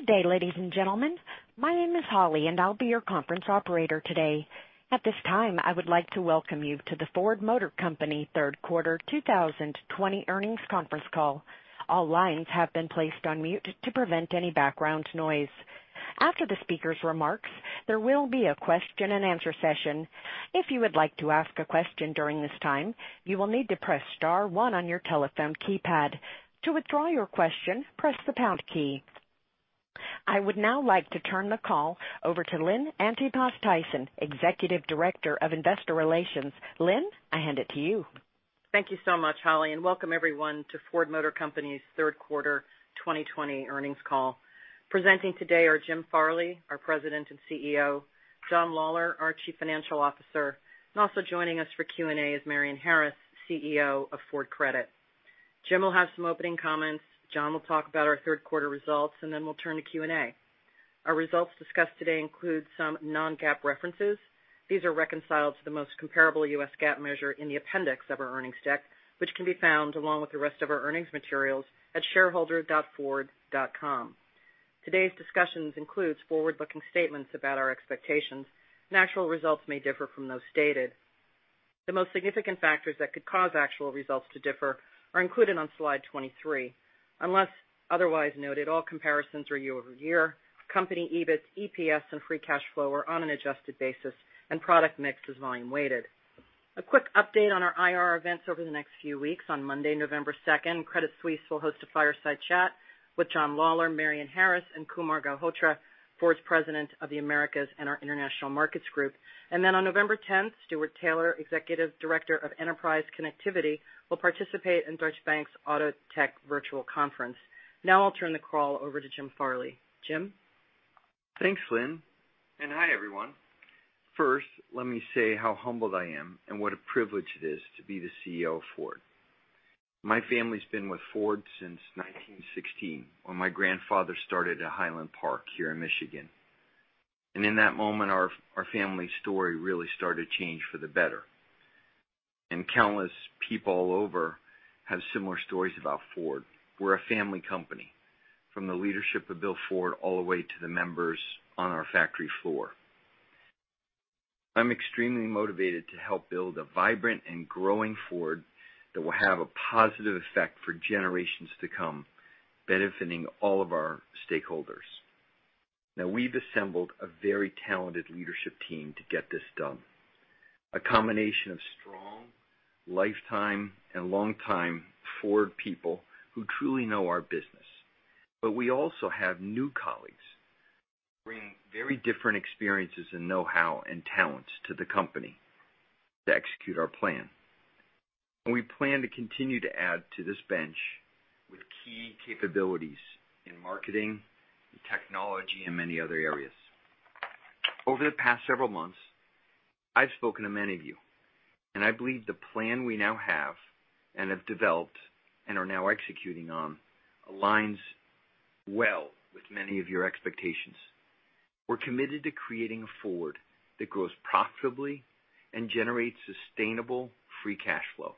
Good day, ladies and gentlemen. My name is Holly, and I'll be your conference operator today. At this time, I would like to welcome you to the Ford Motor Company Third Quarter 2020 Earnings Conference Call. All lines have been placed on mute to prevent any background noise. After the speaker's remarks, there will be a question and answer session. If you would like to ask a question during this time, you will need to press star one on your telephone keypad. To withdraw your question, press the pound key. I would now like to turn the call over to Lynn Antipas Tyson, Executive Director of Investor Relations. Lynn, I hand it to you. Thank you so much, Holly, and welcome everyone to Ford Motor Company's Third Quarter 2020 Earnings Call. Presenting today are Jim Farley, our President and CEO, John Lawler, our Chief Financial Officer, and also joining us for Q&A is Marion Harris, CEO of Ford Credit. Jim will have some opening comments. John will talk about our third quarter results, and then we'll turn to Q&A. Our results discussed today include some non-GAAP references. These are reconciled to the most comparable U.S. GAAP measure in the appendix of our earnings deck, which can be found along with the rest of our earnings materials at shareholder.ford.com. Today's discussions includes forward-looking statements about our expectations, and actual results may differ from those stated. The most significant factors that could cause actual results to differ are included on slide 23. Unless otherwise noted, all comparisons are year over year. Company EBIT, EPS, and free cash flow are on an adjusted basis, and product mix is volume weighted. A quick update on our IR events over the next few weeks. On Monday, November 2nd, Credit Suisse will host a fireside chat with John Lawler, Marion Harris, and Kumar Galhotra, Ford's President of the Americas and our International Markets Group. On November 10th, Stuart Taylor, Executive Director of Enterprise Connectivity, will participate in Deutsche Bank's AutoTech Conference. Now I'll turn the call over to Jim Farley. Jim? Thanks, Lynn. Hi, everyone. First, let me say how humbled I am and what a privilege it is to be the CEO of Ford. My family's been with Ford since 1916, when my grandfather started at Highland Park here in Michigan. In that moment, our family story really started to change for the better. Countless people all over have similar stories about Ford. We're a family company, from the leadership of Bill Ford all the way to the members on our factory floor. I'm extremely motivated to help build a vibrant and growing Ford that will have a positive effect for generations to come, benefiting all of our stakeholders. Now, we've assembled a very talented leadership team to get this done. A combination of strong lifetime and longtime Ford people who truly know our business. We also have new colleagues bringing very different experiences and know-how and talents to the company to execute our plan. We plan to continue to add to this bench with key capabilities in marketing and technology and many other areas. Over the past several months, I've spoken to many of you, and I believe the plan we now have and have developed and are now executing on aligns well with many of your expectations. We're committed to creating a Ford that grows profitably and generates sustainable free cash flow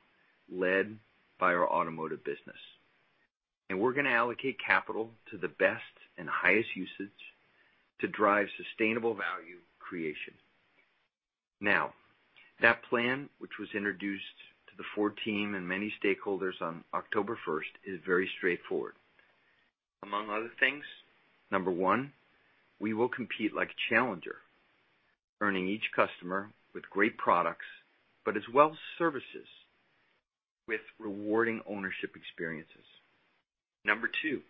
led by our automotive business. We're going to allocate capital to the best and highest usage to drive sustainable value creation. Now, that plan, which was introduced to the Ford team and many stakeholders on October 1st, is very straightforward. Among other things, number one, we will compete like a challenger, earning each customer with great products, but as well as services with rewarding ownership experiences. Number two,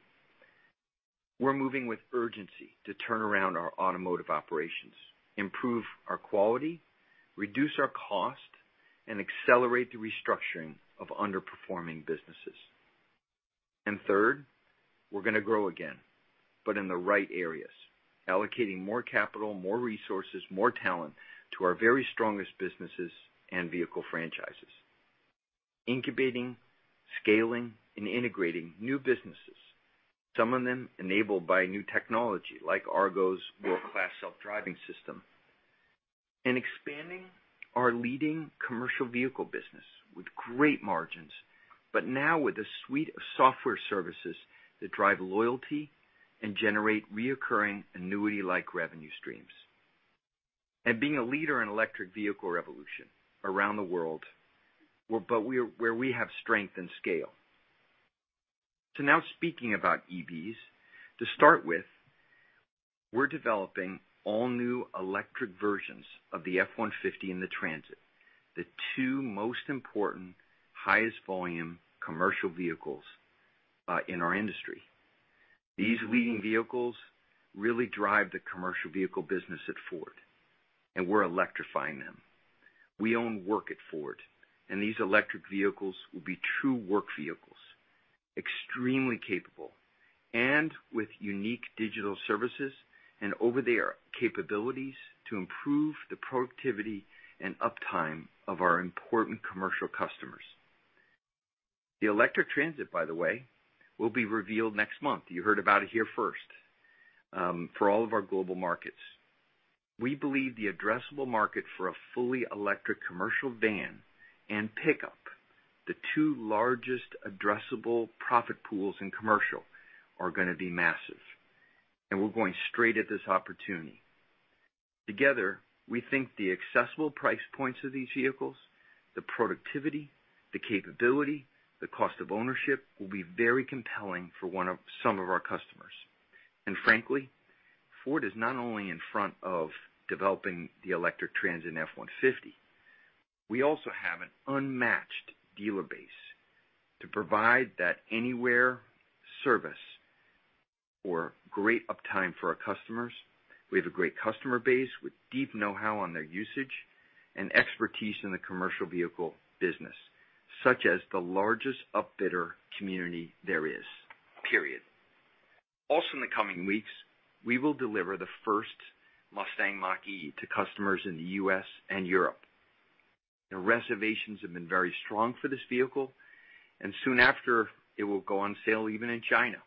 we're moving with urgency to turn around our automotive operations, improve our quality, reduce our cost, and accelerate the restructuring of underperforming businesses. Third, we're going to grow again, but in the right areas, allocating more capital, more resources, more talent to our very strongest businesses and vehicle franchises. Incubating, scaling, and integrating new businesses, some of them enabled by new technology like Argo's world-class self-driving system. Expanding our leading commercial vehicle business with great margins, but now with a suite of software services that drive loyalty and generate recurring annuity-like revenue streams. Being a leader in electric vehicle revolution around the world, but where we have strength and scale. Now speaking about EVs, to start with, we're developing all new electric versions of the F-150 and the Transit, the two most important highest volume commercial vehicles in our industry. These leading vehicles really drive the commercial vehicle business at Ford, and we're electrifying them. We own work at Ford, and these electric vehicles will be true work vehicles, extremely capable and with unique digital services and over-the-air capabilities to improve the productivity and uptime of our important commercial customers. The electric Transit, by the way, will be revealed next month. You heard about it here first for all of our global markets. We believe the addressable market for a fully electric commercial van and pickup, the two largest addressable profit pools in commercial, are going to be massive, and we're going straight at this opportunity. Together, we think the accessible price points of these vehicles, the productivity, the capability, the cost of ownership, will be very compelling for some of our customers. Frankly, Ford is not only in front of developing the electric Transit and F-150, we also have an unmatched dealer base to provide that anywhere service for great uptime for our customers. We have a great customer base with deep know-how on their usage and expertise in the commercial vehicle business, such as the largest upfitter community there is, period. In the coming weeks, we will deliver the first Mustang Mach-E to customers in the U.S. and Europe. Reservations have been very strong for this vehicle, and soon after, it will go on sale even in China.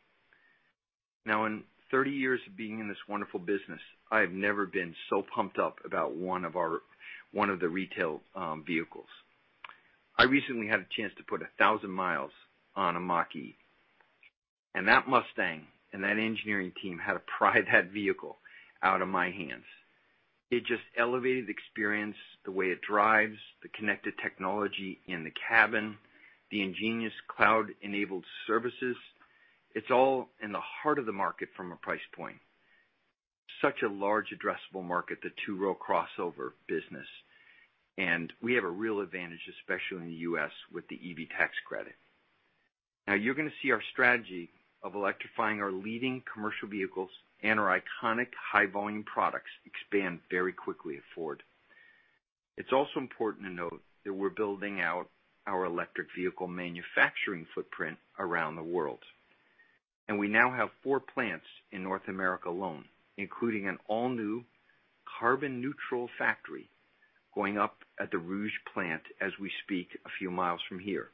In 30 years of being in this wonderful business, I have never been so pumped up about one of the retail vehicles. I recently had a chance to put 1,000 mi on a Mach-E, and that Mustang and that engineering team had to pry that vehicle out of my hands. It just elevated the experience, the way it drives, the connected technology in the cabin, the ingenious cloud-enabled services. It's all in the heart of the market from a price point. Such a large addressable market, the two-row crossover business, and we have a real advantage, especially in the U.S., with the EV tax credit. Now, you're going to see our strategy of electrifying our leading commercial vehicles and our iconic high-volume products expand very quickly at Ford. It's also important to note that we're building out our electric vehicle manufacturing footprint around the world, and we now have four plants in North America alone, including an all-new carbon neutral factory going up at the Rouge plant as we speak, a few miles from here.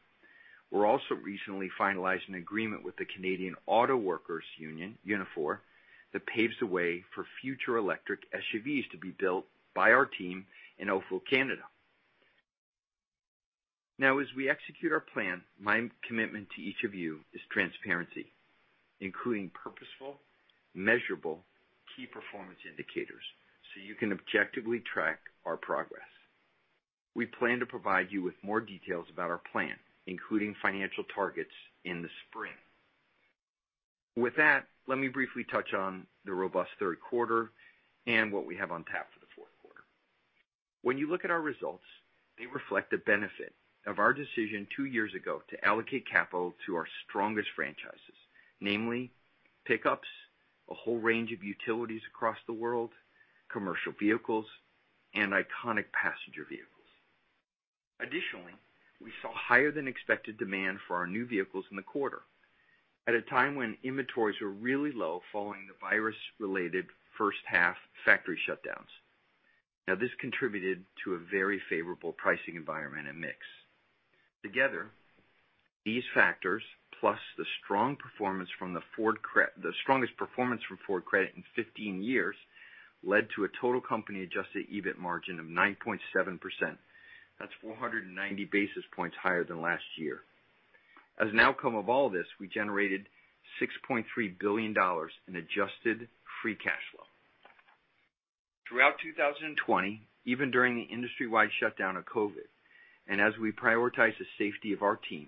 We're also recently finalizing agreement with the Canadian Auto Workers union, Unifor, that paves the way for future electric SUVs to be built by our team in Oakville, Canada. As we execute our plan, my commitment to each of you is transparency, including purposeful, measurable, key performance indicators so you can objectively track our progress. We plan to provide you with more details about our plan, including financial targets, in the spring. With that, let me briefly touch on the robust third quarter and what we have on tap for the fourth quarter. When you look at our results, they reflect the benefit of our decision two years ago to allocate capital to our strongest franchises, namely pickups, a whole range of utilities across the world, commercial vehicles, and iconic passenger vehicles. Additionally, we saw higher than expected demand for our new vehicles in the quarter at a time when inventories were really low following the virus-related first half factory shutdowns. This contributed to a very favorable pricing environment and mix. Together, these factors, plus the strongest performance from Ford Credit in 15 years, led to a total company adjusted EBIT margin of 9.7%. That's 490 basis points higher than last year. As an outcome of all this, we generated $6.3 billion in adjusted free cash flow. Throughout 2020, even during the industry-wide shutdown of COVID, and as we prioritize the safety of our team,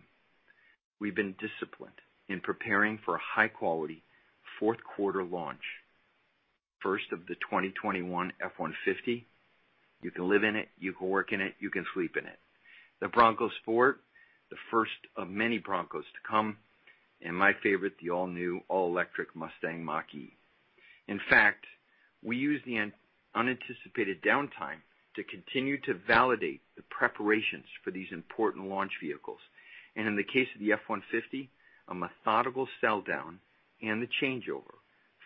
we've been disciplined in preparing for a high-quality fourth quarter launch. First of the 2021 F-150. You can live in it, you can work in it, you can sleep in it. The Bronco Sport, the first of many Broncos to come, and my favorite, the all-new, all-electric Mustang Mach-E. In fact, we used the unanticipated downtime to continue to validate the preparations for these important launch vehicles, in the case of the F-150, a methodical sell-down and the changeover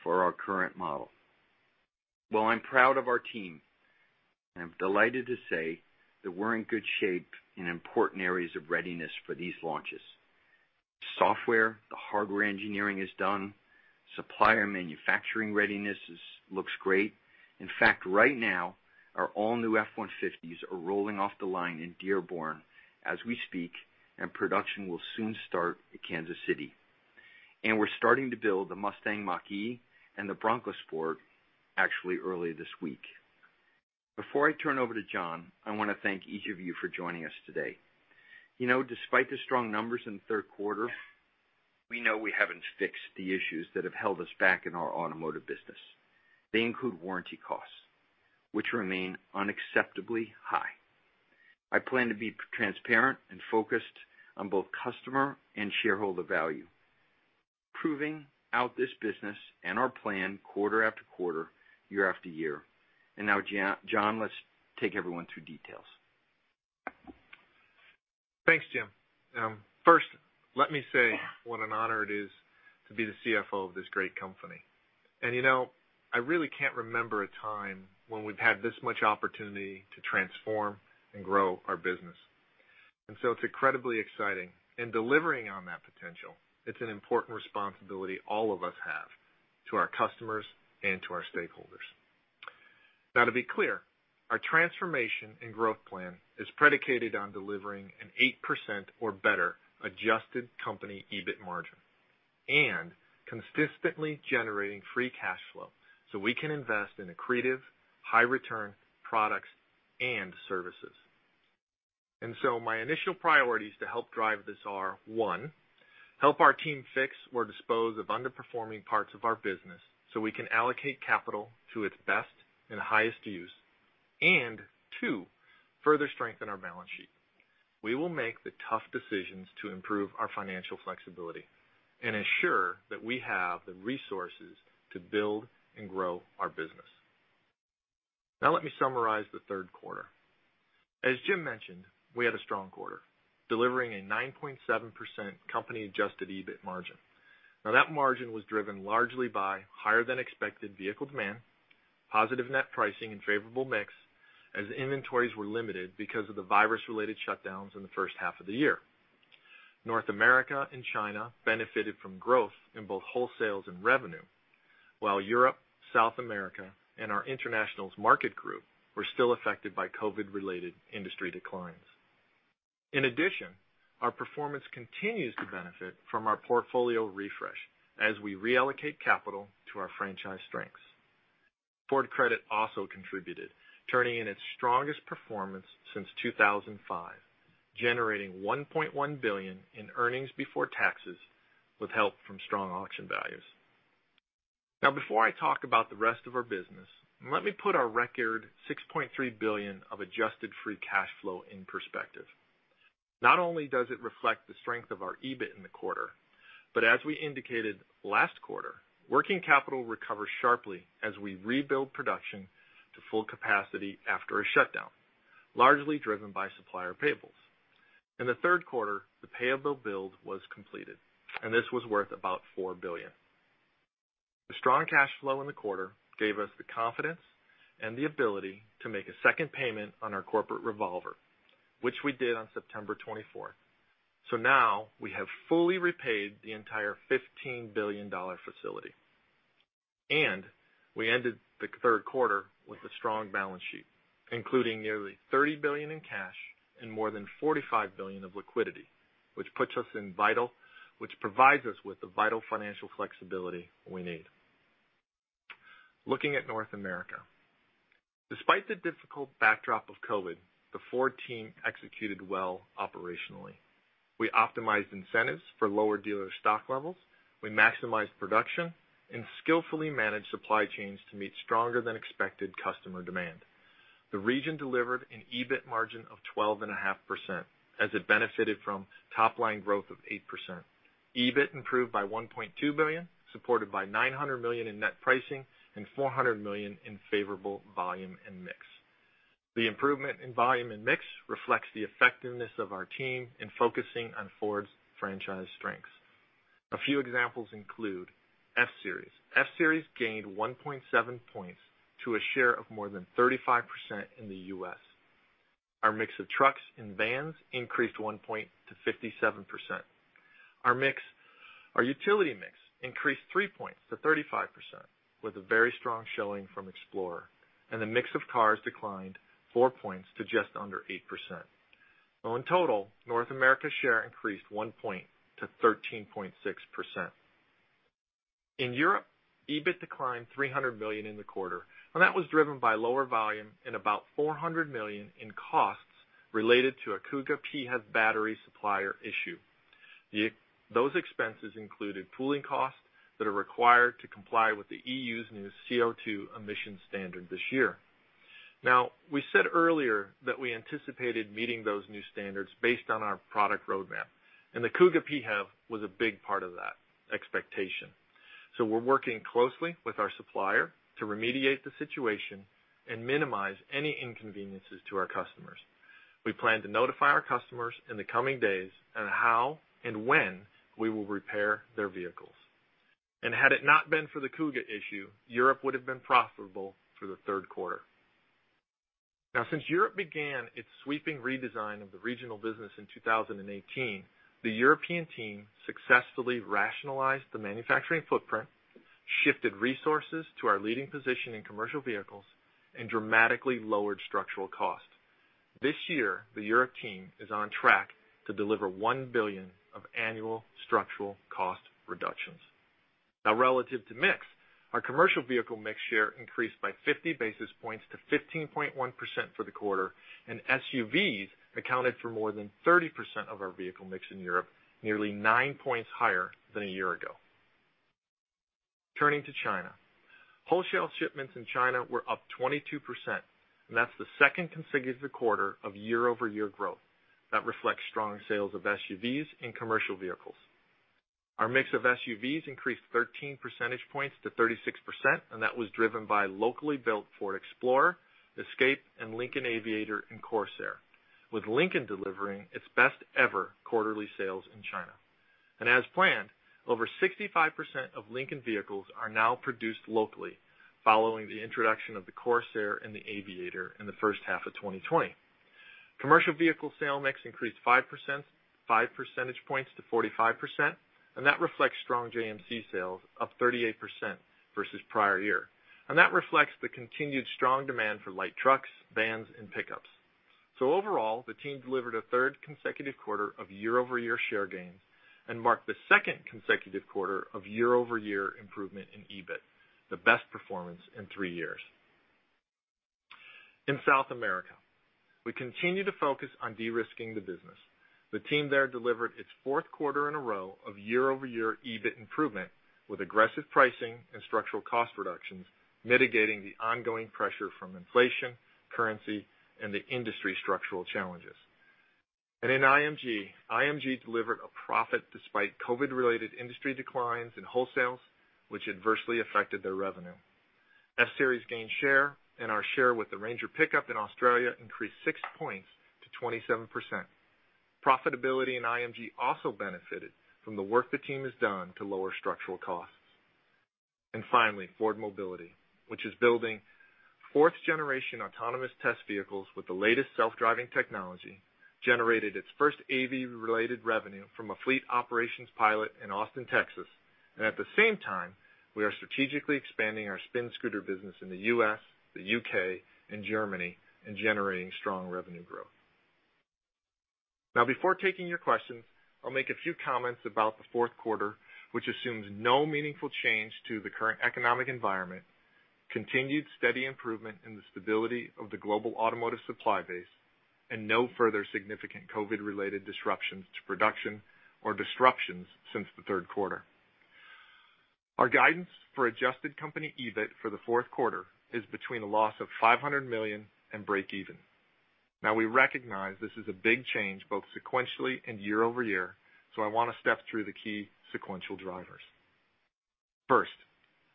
for our current model. While I'm proud of our team, I'm delighted to say that we're in good shape in important areas of readiness for these launches, software, the hardware engineering is done. Supplier manufacturing readiness looks great. In fact, right now, our all-new F-150s are rolling off the line in Dearborn as we speak, and production will soon start at Kansas City. We're starting to build the Mustang Mach-E and the Bronco Sport actually early this week. Before I turn over to John, I want to thank each of you for joining us today. Despite the strong numbers in the third quarter, we know we haven't fixed the issues that have held us back in our automotive business. They include warranty costs, which remain unacceptably high. I plan to be transparent and focused on both customer and shareholder value, proving out this business and our plan quarter after quarter, year after year. Now, John, let's take everyone through details. Thanks, Jim. First, let me say what an honor it is to be the CFO of this great company. I really can't remember a time when we've had this much opportunity to transform and grow our business. It's incredibly exciting. Delivering on that potential, it's an important responsibility all of us have to our customers and to our stakeholders. Now, to be clear, our transformation and growth plan is predicated on delivering an 8% or better adjusted company EBIT margin and consistently generating free cash flow so we can invest in accretive, high return products and services. My initial priorities to help drive this are, one, help our team fix or dispose of underperforming parts of our business so we can allocate capital to its best and highest use and, two, further strengthen our balance sheet. We will make the tough decisions to improve our financial flexibility and ensure that we have the resources to build and grow our business. Let me summarize the third quarter. As Jim mentioned, we had a strong quarter, delivering a 9.7% company adjusted EBIT margin. That margin was driven largely by higher than expected vehicle demand, positive net pricing and favorable mix as inventories were limited because of the virus related shutdowns in the first half of the year. North America and China benefited from growth in both wholesales and revenue, while Europe, South America, and our International Markets Group were still affected by COVID related industry declines. In addition, our performance continues to benefit from our portfolio refresh as we reallocate capital to our franchise strengths. Ford Credit also contributed, turning in its strongest performance since 2005, generating $1.1 billion in earnings before taxes with help from strong auction values. Before I talk about the rest of our business, let me put our record, $6.3 billion of adjusted free cash flow in perspective. Not only does it reflect the strength of our EBIT in the quarter, but as we indicated last quarter, working capital recovered sharply as we rebuild production to full capacity after a shutdown, largely driven by supplier payables. In the third quarter, the payable build was completed, and this was worth about $4 billion. The strong cash flow in the quarter gave us the confidence and the ability to make a second payment on our corporate revolver, which we did on September 24th. Now we have fully repaid the entire $15 billion facility, and we ended the third quarter with a strong balance sheet, including nearly $30 billion in cash and more than $45 billion of liquidity, which provides us with the vital financial flexibility we need. Looking at North America. Despite the difficult backdrop of COVID, the Ford team executed well operationally. We optimized incentives for lower dealer stock levels. We maximized production and skillfully managed supply chains to meet stronger than expected customer demand. The region delivered an EBIT margin of 12.5% as it benefited from top line growth of 8%. EBIT improved by $1.2 billion, supported by $900 million in net pricing and $400 million in favorable volume and mix. The improvement in volume and mix reflects the effectiveness of our team in focusing on Ford's franchise strengths. A few examples include F-Series. F-Series gained 1.7 points to a share of more than 35% in the U.S. Our mix of trucks and vans increased 1 point to 57%. Our utility mix increased 3 points to 35% with a very strong showing from Explorer. The mix of cars declined 4 points to just under 8%. Now, in total, North America's share increased 1 point to 13.6%. In Europe, EBIT declined $300 million in the quarter, that was driven by lower volume and about $400 million in costs related to a Kuga PHEV battery supplier issue. Those expenses included pooling costs that are required to comply with the EU's new CO2 emission standard this year. Now, we said earlier that we anticipated meeting those new standards based on our product roadmap, the Kuga PHEV was a big part of that expectation. We're working closely with our supplier to remediate the situation and minimize any inconveniences to our customers. We plan to notify our customers in the coming days on how and when we will repair their vehicles. Had it not been for the Kuga issue, Europe would've been profitable for the third quarter. Since Europe began its sweeping redesign of the regional business in 2018, the European team successfully rationalized the manufacturing footprint, shifted resources to our leading position in commercial vehicles, and dramatically lowered structural cost. This year, the Europe team is on track to deliver $1 billion of annual structural cost reductions. Relative to mix, our commercial vehicle mix share increased by 50 basis points to 15.1% for the quarter, and SUVs accounted for more than 30% of our vehicle mix in Europe, nearly nine points higher than a year ago. Turning to China. Wholesale shipments in China were up 22%, and that's the second consecutive quarter of year-over-year growth. That reflects strong sales of SUVs and commercial vehicles. Our mix of SUVs increased 13 percentage points to 36%, and that was driven by locally built Ford Explorer, Escape, and Lincoln Aviator and Corsair, with Lincoln delivering its best ever quarterly sales in China. As planned, over 65% of Lincoln vehicles are now produced locally following the introduction of the Corsair and the Aviator in the first half of 2020. Commercial vehicle sale mix increased 5 percentage points to 45%, and that reflects strong JMC sales up 38% versus prior year. That reflects the continued strong demand for light trucks, vans, and pickups. Overall, the team delivered a third consecutive quarter of year-over-year share gains and marked the second consecutive quarter of year-over-year improvement in EBIT, the best performance in three years. In South America, we continue to focus on de-risking the business. The team there delivered its fourth quarter in a row of year-over-year EBIT improvement with aggressive pricing and structural cost reductions, mitigating the ongoing pressure from inflation, currency, and the industry structural challenges. In IMG delivered a profit despite COVID-related industry declines in wholesales, which adversely affected their revenue. F-Series gained share, and our share with the Ranger pickup in Australia increased six points to 27%. Profitability in IMG also benefited from the work the team has done to lower structural costs. Finally, Ford Mobility, which is building fourth-generation autonomous test vehicles with the latest self-driving technology, generated its first AV-related revenue from a fleet operations pilot in Austin, Texas. At the same time, we are strategically expanding our Spin scooter business in the U.S., the U.K., and Germany, and generating strong revenue growth. Before taking your questions, I'll make a few comments about the fourth quarter, which assumes no meaningful change to the current economic environment, continued steady improvement in the stability of the global automotive supply base, and no further significant COVID-related disruptions to production or disruptions since the third quarter. Our guidance for adjusted company EBIT for the fourth quarter is between a loss of $500 million and break even. We recognize this is a big change both sequentially and year-over-year, so I want to step through the key sequential drivers. First,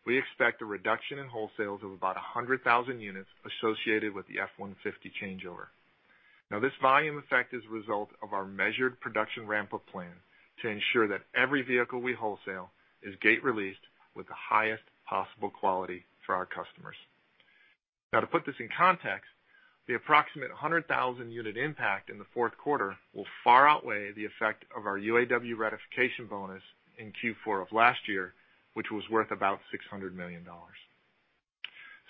we expect a reduction in wholesales of about 100,000 units associated with the F-150 changeover. Now, this volume effect is a result of our measured production ramp-up plan to ensure that every vehicle we wholesale is gate released with the highest possible quality for our customers. Now, to put this in context, the approximate 100,000-unit impact in the fourth quarter will far outweigh the effect of our UAW ratification bonus in Q4 of last year, which was worth about $600 million.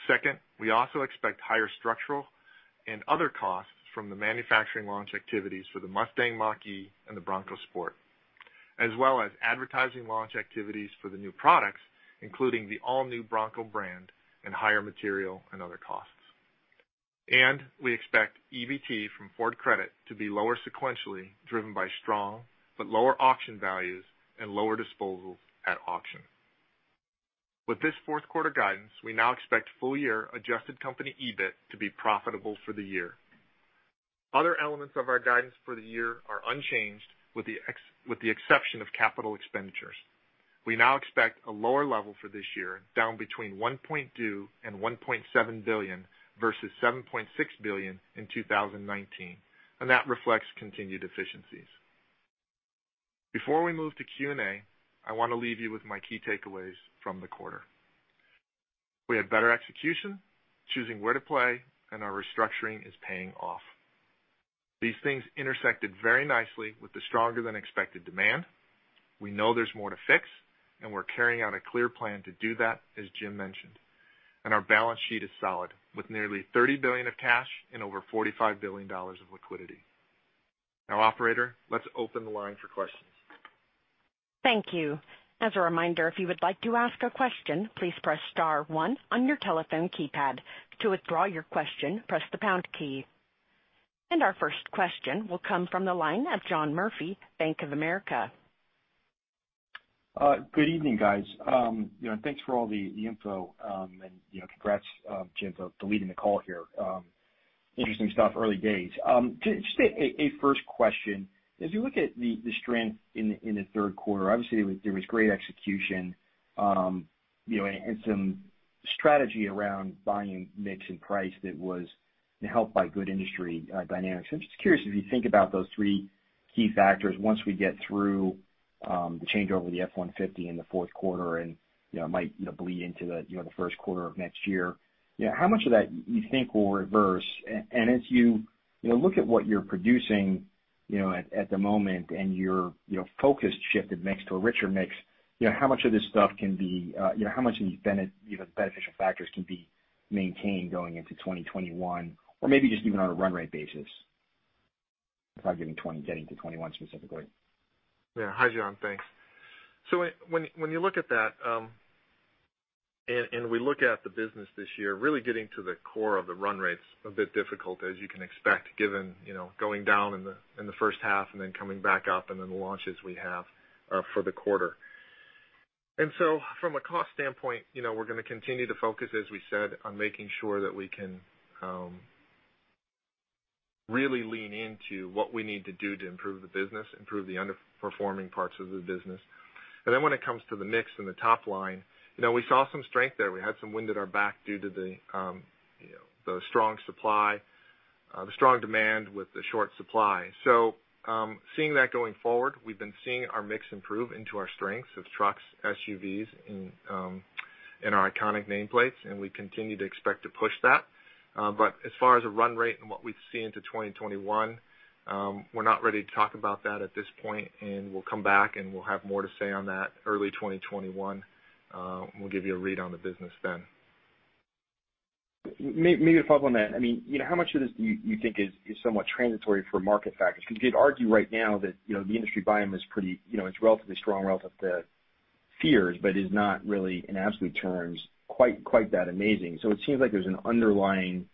Second, we also expect higher structural and other costs from the manufacturing launch activities for the Mustang Mach-E and the Bronco Sport, as well as advertising launch activities for the new products, including the all-new Bronco brand and higher material and other costs. We expect EBT from Ford Credit to be lower sequentially, driven by strong but lower auction values and lower disposal at auction. With this fourth quarter guidance, we now expect full year adjusted company EBIT to be profitable for the year. Other elements of our guidance for the year are unchanged, with the exception of capital expenditures. We now expect a lower level for this year, down between $1.2 and $1.7 billion, versus $7.6 billion in 2019. That reflects continued efficiencies. Before we move to Q&A, I want to leave you with my key takeaways from the quarter. We had better execution, choosing where to play. Our restructuring is paying off. These things intersected very nicely with the stronger than expected demand. We know there's more to fix. We're carrying out a clear plan to do that, as Jim mentioned. Our balance sheet is solid, with nearly $30 billion of cash and over $45 billion of liquidity. Now, operator, let's open the line for questions. Thank you. As a reminder, if you would like to ask a question, please press star one on your telephone keypad. To withdraw your question, press the pound key. Our first question will come from the line of John Murphy, Bank of America. Good evening, guys. Thanks for all the info, and congrats, Jim, for leading the call here. Interesting stuff, early days. Just a first question. As you look at the strength in the third quarter, obviously, there was great execution and some strategy around buying mix and price that was helped by good industry dynamics. I'm just curious, as you think about those three key factors, once we get through the changeover of the F-150 in the fourth quarter and might bleed into the first quarter of next year, how much of that you think will reverse? As you look at what you're producing at the moment and your focus shifted mix to a richer mix, how much of these beneficial factors can be maintained going into 2021? Or maybe just even on a run rate basis, without getting to 2021 specifically. Yeah. Hi, John, thanks. When you look at that, and we look at the business this year, really getting to the core of the run rate's a bit difficult as you can expect, given going down in the first half and then coming back up and then the launches we have for the quarter. From a cost standpoint, we're going to continue to focus, as we said, on making sure that we can really lean into what we need to do to improve the business, improve the underperforming parts of the business. When it comes to the mix and the top line, we saw some strength there. We had some wind at our back due to the strong demand with the short supply. Seeing that going forward, we've been seeing our mix improve into our strengths of trucks, SUVs, and our iconic nameplates, and we continue to expect to push that. As far as a run rate and what we see into 2021, we're not ready to talk about that at this point, and we'll come back, and we'll have more to say on that early 2021. We'll give you a read on the business then. Maybe to follow on that, how much of this do you think is somewhat transitory for market factors? You could argue right now that the industry volume is relatively strong relative to fears, but is not really, in absolute terms, quite that amazing. It seems like there's an underlying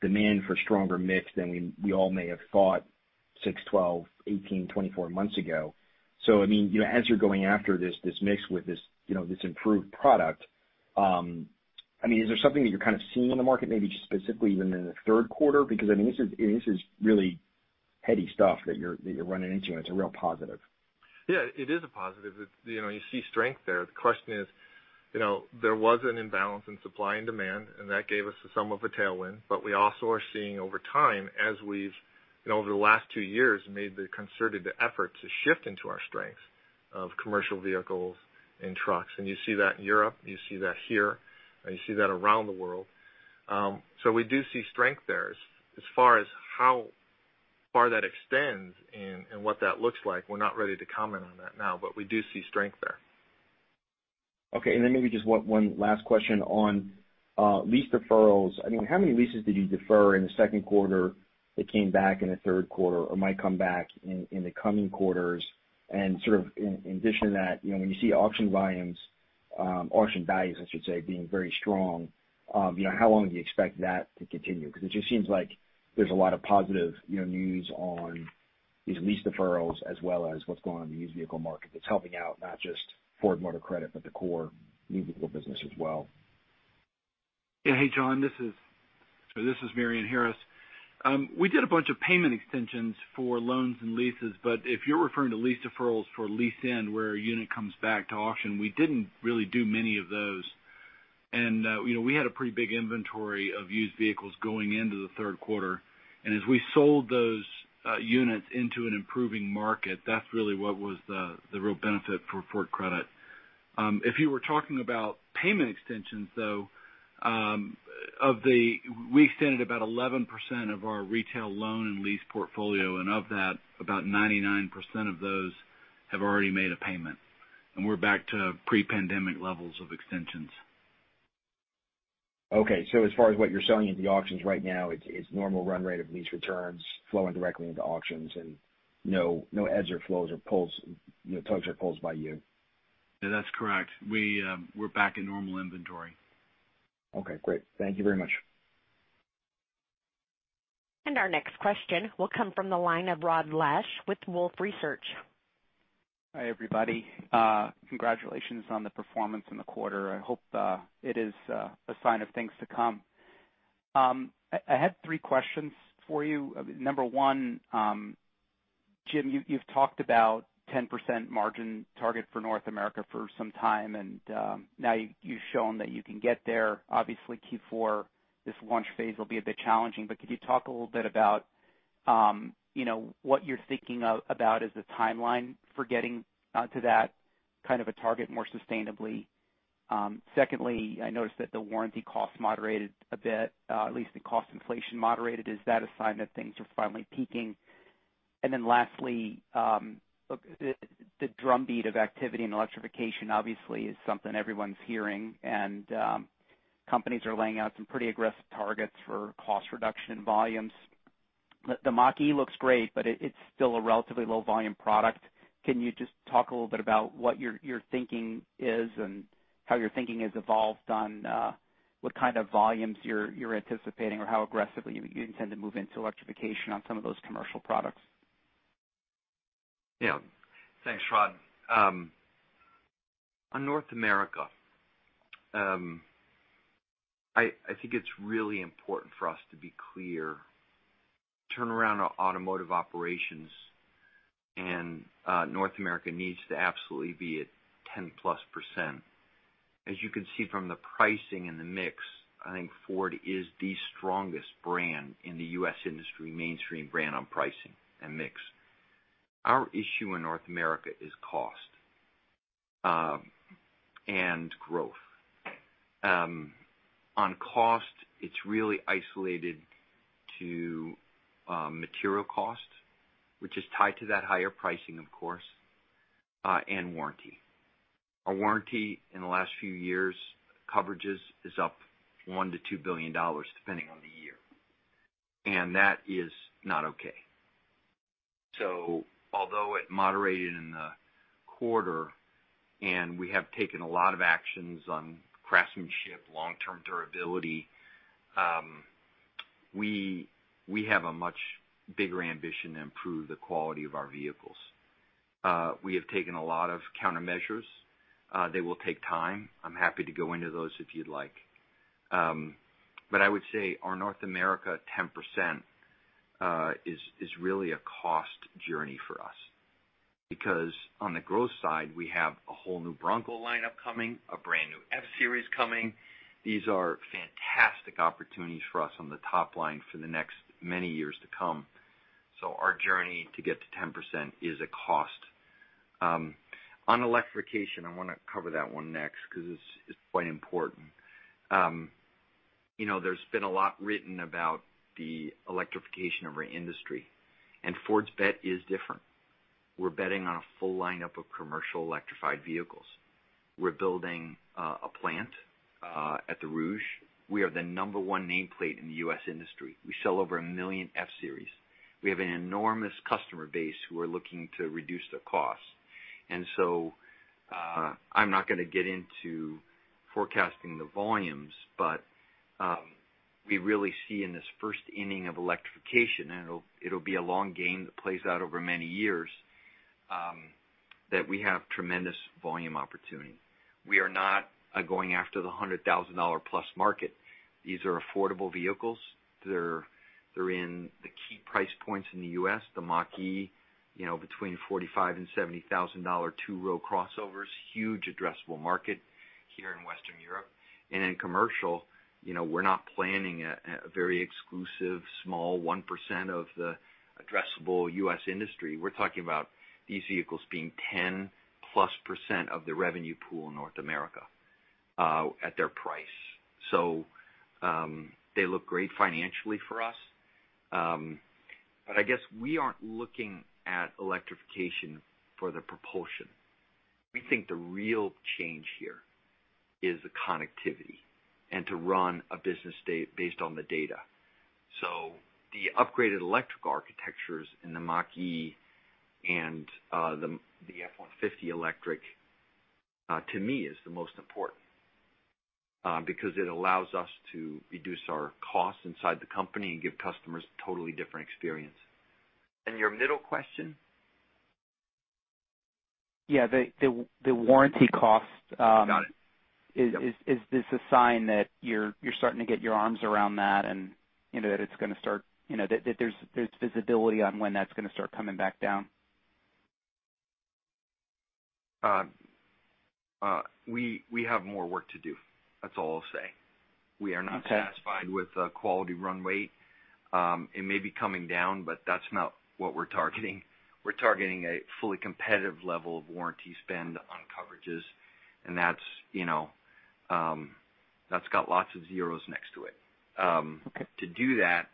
demand for stronger mix than we all may have thought six, 12, 18, 24 months ago. As you're going after this mix with this improved product, is there something that you're kind of seeing in the market, maybe specifically even in the third quarter? This is really heady stuff that you're running into, and it's a real positive. Yeah, it is a positive. You see strength there. The question is, there was an imbalance in supply and demand, and that gave us some of a tailwind. We also are seeing over time, as we've, over the last two years, made the concerted effort to shift into our strengths of commercial vehicles and trucks. You see that in Europe, you see that here, and you see that around the world. We do see strength there. As far as how far that extends and what that looks like, we're not ready to comment on that now, but we do see strength there. Okay. Maybe just one last question on lease deferrals. How many leases did you defer in the second quarter that came back in the third quarter or might come back in the coming quarters? In addition to that, when you see auction volumes, auction values, I should say, being very strong, how long do you expect that to continue? It just seems like there's a lot of positive news on these lease deferrals as well as what's going on in the used vehicle market that's helping out not just Ford Motor Credit, but the core used vehicle business as well. Yeah. Hey John, this is Marion Harris. We did a bunch of payment extensions for loans and leases, but if you're referring to lease deferrals for lease-end, where a unit comes back to auction, we didn't really do many of those. We had a pretty big inventory of used vehicles going into the third quarter, and as we sold those units into an improving market, that's really what was the real benefit for Ford Credit. If you were talking about payment extensions, though, we extended about 11% of our retail loan and lease portfolio, and of that, about 99% of those have already made a payment. We're back to pre-pandemic levels of extensions. Okay, as far as what you're selling into the auctions right now, it's normal run rate of lease returns flowing directly into auctions and no edge or flows or tugs or pulls by you. Yeah, that's correct. We're back in normal inventory. Okay, great. Thank you very much. Our next question will come from the line of Rod Lache with Wolfe Research. Hi, everybody. Congratulations on the performance in the quarter. I hope it is a sign of things to come. I had three questions for you. Number one, Jim, you've talked about 10% margin target for North America for some time, and now you've shown that you can get there. Obviously, Q4, this launch phase will be a bit challenging, but could you talk a little bit about what you're thinking about as a timeline for getting to that kind of a target more sustainably? Secondly, I noticed that the warranty cost moderated a bit, at least the cost inflation moderated. Is that a sign that things are finally peaking? Lastly, the drumbeat of activity in electrification obviously is something everyone's hearing, and companies are laying out some pretty aggressive targets for cost reduction in volumes. The Mach-E looks great, but it's still a relatively low-volume product. Can you just talk a little bit about what your thinking is and how your thinking has evolved on what kind of volumes you're anticipating, or how aggressively you intend to move into electrification on some of those commercial products? Thanks, Rod. On North America, I think it's really important for us to be clear. Turnaround on automotive operations and North America needs to absolutely be at 10%+. As you can see from the pricing and the mix, I think Ford is the strongest brand in the U.S. industry, mainstream brand on pricing and mix. Our issue in North America is cost and growth. On cost, it's really isolated to material cost, which is tied to that higher pricing, of course, and warranty. Our warranty in the last few years' coverages is up $1 billion-$2 billion, depending on the year. That is not okay. Although it moderated in the quarter and we have taken a lot of actions on craftsmanship, long-term durability, we have a much bigger ambition to improve the quality of our vehicles. We have taken a lot of countermeasures They will take time. I am happy to go into those if you'd like. I would say our North America 10% is really a cost journey for us because on the growth side, we have a whole new Bronco lineup coming, a brand-new F-Series coming. These are fantastic opportunities for us on the top line for the next many years to come. Our journey to get to 10% is a cost. On electrification, I want to cover that one next because it is quite important. There has been a lot written about the electrification of our industry and Ford’s bet is different. We are betting on a full lineup of commercial electrified vehicles. We are building a plant at the Rouge. We are the number one nameplate in the U.S. industry. We sell over a million F-Series. We have an enormous customer base who are looking to reduce their costs. I'm not going to get into forecasting the volumes, but we really see in this first inning of electrification, and it'll be a long game that plays out over many years, that we have tremendous volume opportunity. We are not going after the $100,000+ market. These are affordable vehicles. They're in the key price points in the U.S., the Mach-E between $45,000 and $70,000, two-row crossovers, huge addressable market here in Western Europe. In commercial, we're not planning a very exclusive, small 1% of the addressable U.S. industry. We're talking about these vehicles being 10%+ of the revenue pool in North America at their price. They look great financially for us. I guess we aren't looking at electrification for the propulsion. We think the real change here is the connectivity and to run a business based on the data. The upgraded electrical architectures in the Mach-E and the F-150 electric to me is the most important because it allows us to reduce our costs inside the company and give customers a totally different experience. Your middle question? Yeah. The warranty cost Got it. Is this a sign that you're starting to get your arms around that and that there's visibility on when that's going to start coming back down? We have more work to do. That's all I'll say. Okay. We are not satisfied with the quality run rate. It may be coming down, but that's not what we're targeting. We're targeting a fully competitive level of warranty spend on coverages, and that's got lots of zeros next to it. Okay. To do that,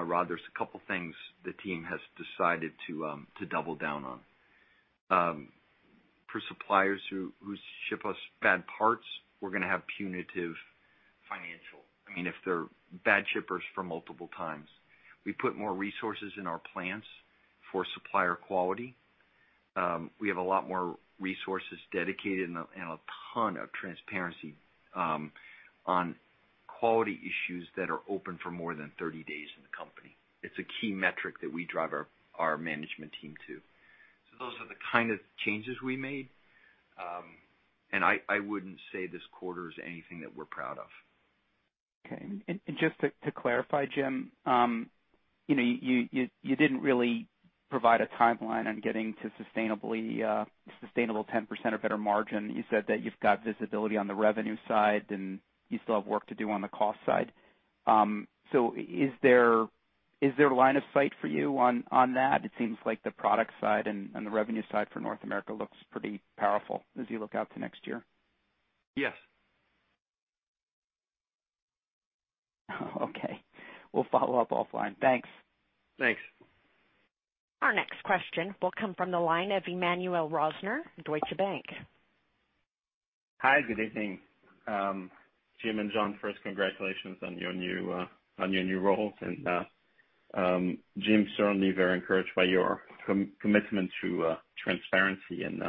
Rod, there's a couple things the team has decided to double down on. For suppliers who ship us bad parts, we're going to have punitive financial. If they're bad shippers for multiple times. We put more resources in our plants for supplier quality. We have a lot more resources dedicated and a ton of transparency on quality issues that are open for more than 30 days in the company. It's a key metric that we drive our management team to. Those are the kind of changes we made. I wouldn't say this quarter is anything that we're proud of. Okay. Just to clarify, Jim, you didn't really provide a timeline on getting to a sustainable 10% or better margin. You said that you've got visibility on the revenue side, and you still have work to do on the cost side. Is there line of sight for you on that? It seems like the product side and the revenue side for North America looks pretty powerful as you look out to next year. Yes. Okay. We'll follow up offline. Thanks. Thanks. Our next question will come from the line of Emmanuel Rosner, Deutsche Bank. Hi, good evening. Jim and John, first, congratulations on your new roles and, Jim, certainly very encouraged by your commitment to transparency and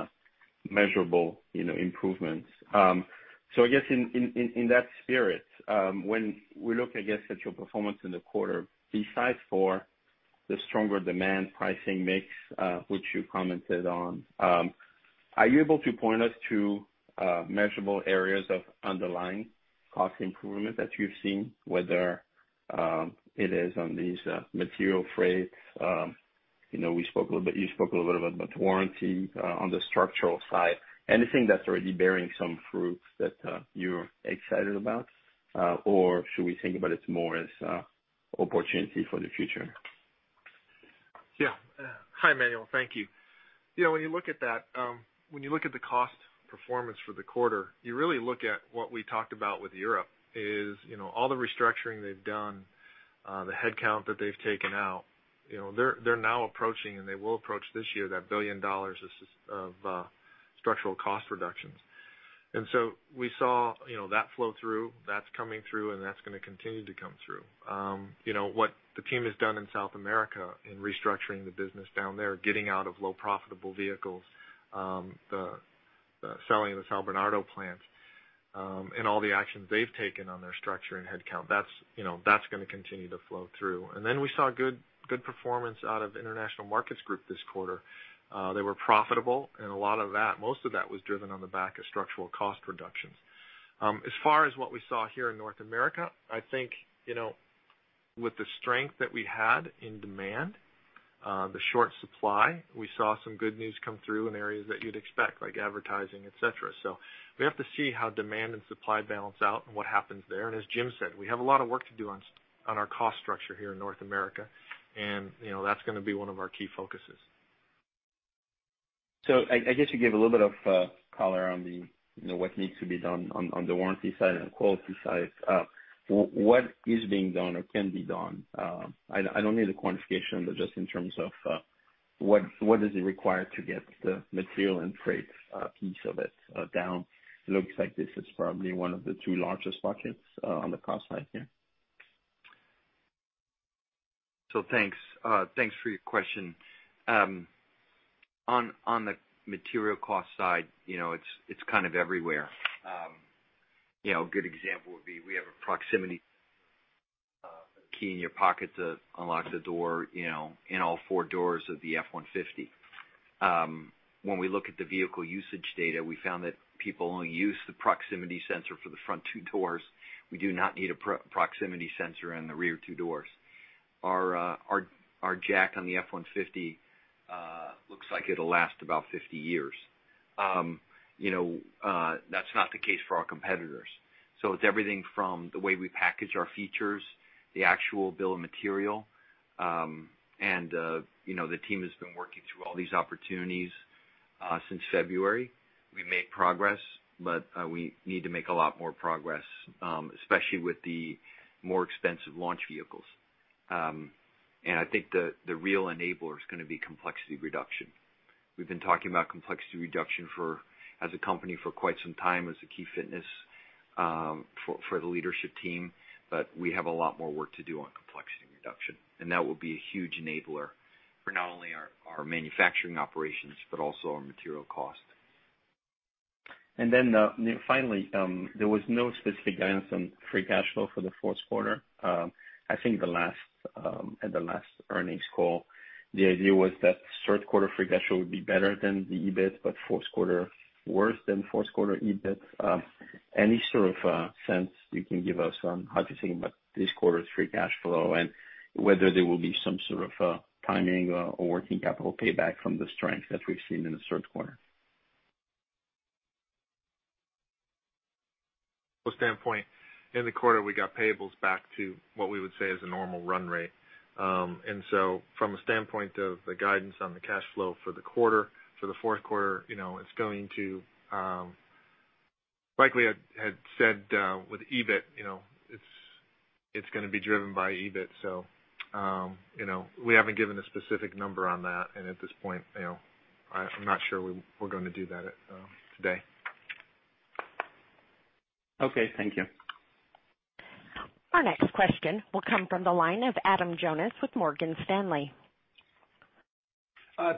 measurable improvements. I guess in that spirit, when we look, I guess, at your performance in the quarter, besides for the stronger demand pricing mix, which you commented on, are you able to point us to measurable areas of underlying cost improvement that you've seen, whether it is on these materials, freight? You spoke a little bit about warranty on the structural side. Anything that's already bearing some fruits that you're excited about? Should we think about it more as opportunity for the future? Hi, Emmanuel, thank you. When you look at the cost performance for the quarter, you really look at what we talked about with Europe is, all the restructuring they've done, the headcount that they've taken out. They're now approaching, and they will approach this year, that $1 billion of structural cost reductions. We saw that flow through. That's coming through, and that's going to continue to come through. What the team has done in South America in restructuring the business down there, getting out of low profitable vehicles, the selling of the São Bernardo plant and all the actions they've taken on their structure and headcount, that's going to continue to flow through. We saw good performance out of International Markets Group this quarter. They were profitable and most of that was driven on the back of structural cost reductions. As far as what we saw here in North America, I think, with the strength that we had in demand, the short supply, we saw some good news come through in areas that you'd expect, like advertising, et cetera. We have to see how demand and supply balance out and what happens there. As Jim said, we have a lot of work to do on our cost structure here in North America, and that's going to be one of our key focuses. I guess you gave a little bit of color on what needs to be done on the warranty side and quality side. What is being done or can be done? I don't need a quantification, but just in terms of what is it required to get the material and freight piece of it down. It looks like this is probably one of the two largest buckets on the cost side here. Thanks for your question. On the material cost side, it's kind of everywhere. A good example would be, we have a proximity key in your pocket to unlock all four doors of the F-150. When we look at the vehicle usage data, we found that people only use the proximity sensor for the front two doors. We do not need a proximity sensor in the rear two doors. Our jack on the F-150 looks like it'll last about 50 years. That's not the case for our competitors. It's everything from the way we package our features, the actual bill of material, and the team has been working through all these opportunities since February. We made progress, but we need to make a lot more progress, especially with the more expensive launch vehicles. I think the real enabler is going to be complexity reduction. We've been talking about complexity reduction as a company for quite some time as a key fitness for the leadership team, but we have a lot more work to do on complexity reduction. That will be a huge enabler for not only our manufacturing operations, but also our material cost. Finally, there was no specific guidance on free cash flow for the fourth quarter. I think at the last earnings call, the idea was that third quarter free cash flow would be better than the EBIT, but fourth quarter worse than fourth quarter EBIT. Any sort of sense you can give us on how to think about this quarter's free cash flow and whether there will be some sort of timing or working capital payback from the strength that we've seen in the third quarter? Standpoint, in the quarter, we got payables back to what we would say is a normal run rate. From a standpoint of the guidance on the cash flow for the quarter, for the fourth quarter, likely I had said with EBIT, it's going to be driven by EBIT. We haven't given a specific number on that, and at this point, I'm not sure we're going to do that today. Okay. Thank you. Our next question will come from the line of Adam Jonas with Morgan Stanley.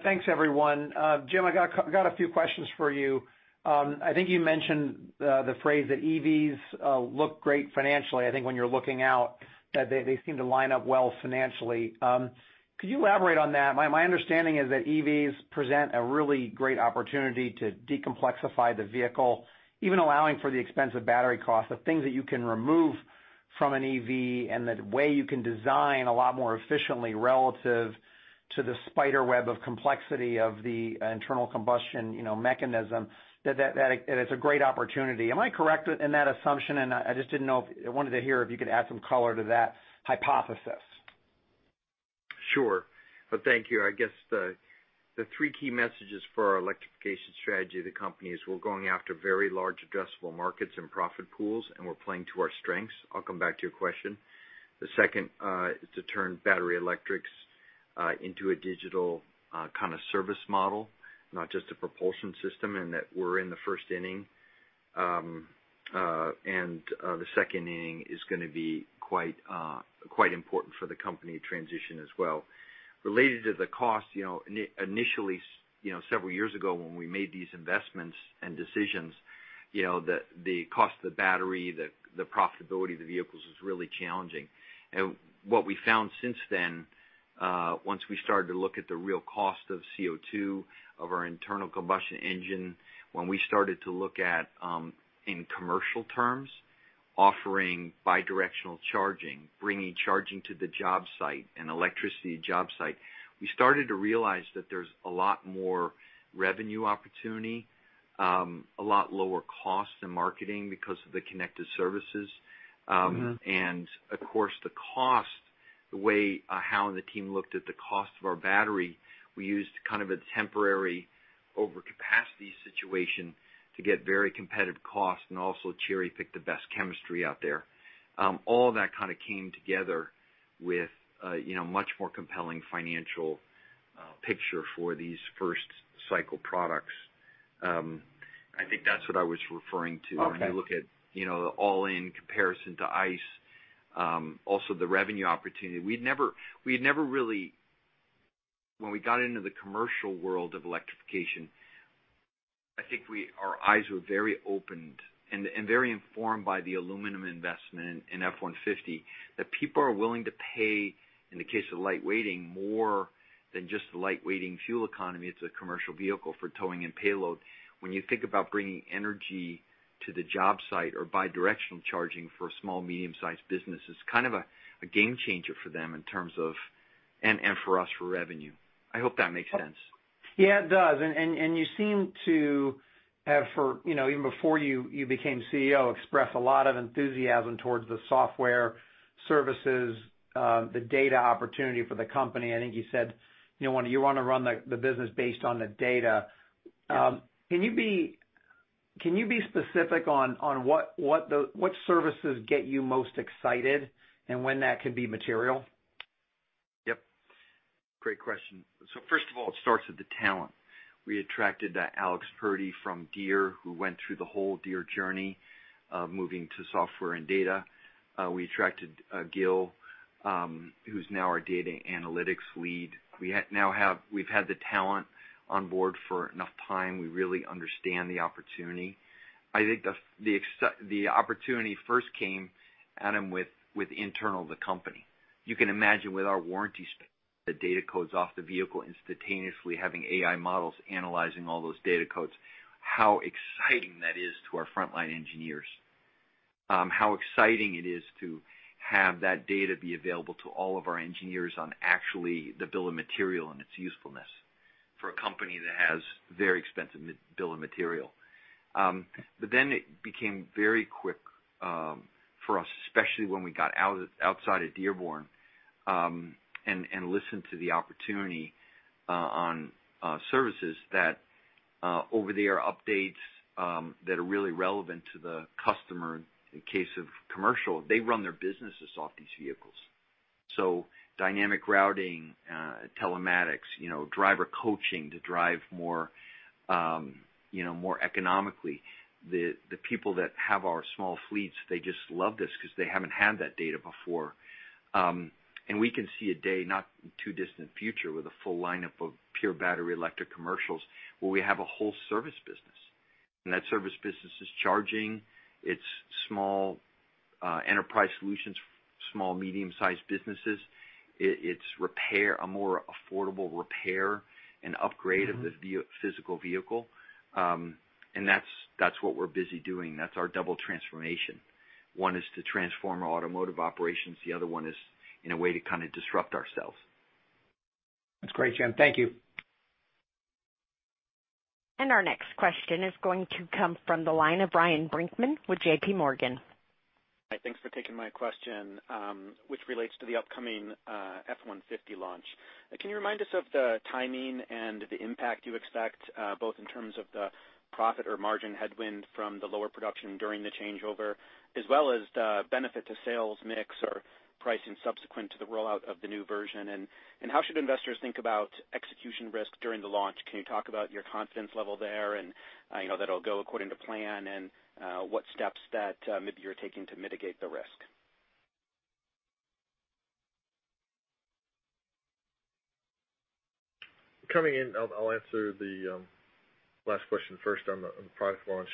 Thanks, everyone. Jim, I got a few questions for you. I think you mentioned the phrase that EVs look great financially. I think when you're looking out, that they seem to line up well financially. Could you elaborate on that? My understanding is that EVs present a really great opportunity to decomplexify the vehicle, even allowing for the expensive battery cost, the things that you can remove from an EV, and the way you can design a lot more efficiently relative to the spider web of complexity of the internal combustion mechanism. That it's a great opportunity. Am I correct in that assumption? I just wanted to hear if you could add some color to that hypothesis. Sure. Thank you. I guess the three key messages for our electrification strategy of the company is we're going after very large addressable markets and profit pools, and we're playing to our strengths. I'll come back to your question. The second is to turn battery electrics into a digital kind of service model, not just a propulsion system, and that we're in the first inning. The second inning is going to be quite important for the company transition as well. Related to the cost, initially, several years ago when we made these investments and decisions, the cost of the battery, the profitability of the vehicles was really challenging. What we found since then, once we started to look at the real cost of CO2 of our internal combustion engine, when we started to look at, in commercial terms, offering bi-directional charging, bringing charging to the job site, an electricity job site. We started to realize that there's a lot more revenue opportunity, a lot lower cost in marketing because of the connected services. Of course, the cost, the way how the team looked at the cost of our battery, we used kind of a temporary overcapacity situation to get very competitive cost and also cherry-pick the best chemistry out there. All that kind of came together with a much more compelling financial picture for these first cycle products. I think that's what I was referring to. Okay When you look at all-in comparison to ICE, also the revenue opportunity. When we got into the commercial world of electrification, I think our eyes were very opened and very informed by the aluminum investment in F-150, that people are willing to pay, in the case of lightweighting, more than just the lightweighting fuel economy. It's a commercial vehicle for towing and payload. When you think about bringing energy to the job site or bi-directional charging for small, medium-sized businesses, kind of a game changer for them and for us for revenue. I hope that makes sense. Yeah, it does. You seem to have for, even before you became CEO, expressed a lot of enthusiasm towards the software, services, the data opportunity for the company. I think you said, you want to run the business based on the data. Can you be specific on what services get you most excited and when that could be material? Yep. Great question. First of all, it starts with the talent. We attracted Alex Purdy from Deere, who went through the whole Deere journey of moving to software and data. We attracted Gil who is now our data analytics lead. We've had the talent on board for enough time. We really understand the opportunity. I think the opportunity first came, Adam, with internal of the company. You can imagine with our warranty the data codes off the vehicle instantaneously having AI models analyzing all those data codes, how exciting that is to our frontline engineers. How exciting it is to have that data be available to all of our engineers on actually the bill of material and its usefulness for a company that has very expensive bill of material. It became very quick for us, especially when we got outside of Dearborn, and listened to the opportunity on services that over-the-air updates that are really relevant to the customer. In case of commercial, they run their businesses off these vehicles. Dynamic routing, telematics, driver coaching to drive more economically. The people that have our small fleets, they just love this because they haven't had that data before. We can see a day, not in too distant future, with a full lineup of pure battery electric commercials, where we have a whole service business. That service business is charging, it's small enterprise solutions for small, medium-sized businesses. It's a more affordable repair and upgrade of the physical vehicle. That's what we're busy doing. That's our double transformation. One is to transform our automotive operations, the other one is in a way to kind of disrupt ourselves. That's great, Jim. Thank you. Our next question is going to come from the line of Ryan Brinkman with JPMorgan. Hi. Thanks for taking my question, which relates to the upcoming F-150 launch. Can you remind us of the timing and the impact you expect, both in terms of the profit or margin headwind from the lower production during the changeover, as well as the benefit to sales mix or pricing subsequent to the rollout of the new version? How should investors think about execution risk during the launch? Can you talk about your confidence level there, and that'll go according to plan, and what steps that maybe you're taking to mitigate the risk? Coming in, I'll answer the last question first on the product launch.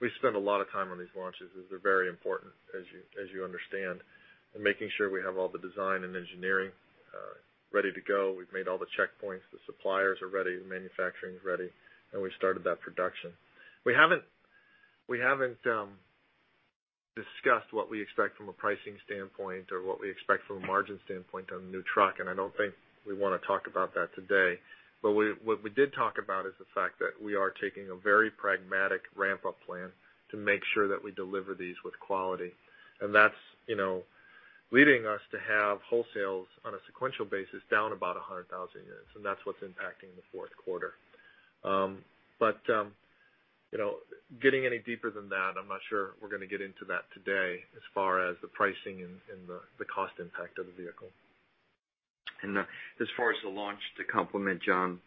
We've spent a lot of time on these launches, as they're very important as you understand. Making sure we have all the design and engineering ready to go. We've made all the checkpoints, the suppliers are ready, the manufacturing's ready, and we started that production. We haven't discussed what we expect from a pricing standpoint or what we expect from a margin standpoint on the new truck, and I don't think we want to talk about that today. What we did talk about is the fact that we are taking a very pragmatic ramp-up plan to make sure that we deliver these with quality. That's leading us to have wholesales on a sequential basis down about 100,000 units, and that's what's impacting the fourth quarter. Getting any deeper than that, I'm not sure we're going to get into that today as far as the pricing and the cost impact of the vehicle. As far as the launch, to complement John,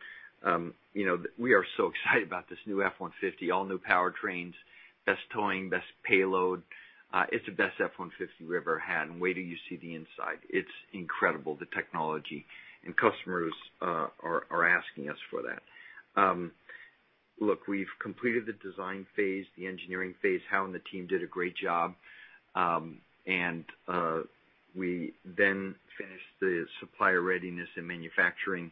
we are so excited about this new F-150. All new powertrains, best towing, best payload. It's the best F-150 we ever had, and wait till you see the inside. It's incredible the technology, and customers are asking us for that. Look, we've completed the design phase, the engineering phase. Hau and the team did a great job. We then finished the supplier readiness and manufacturing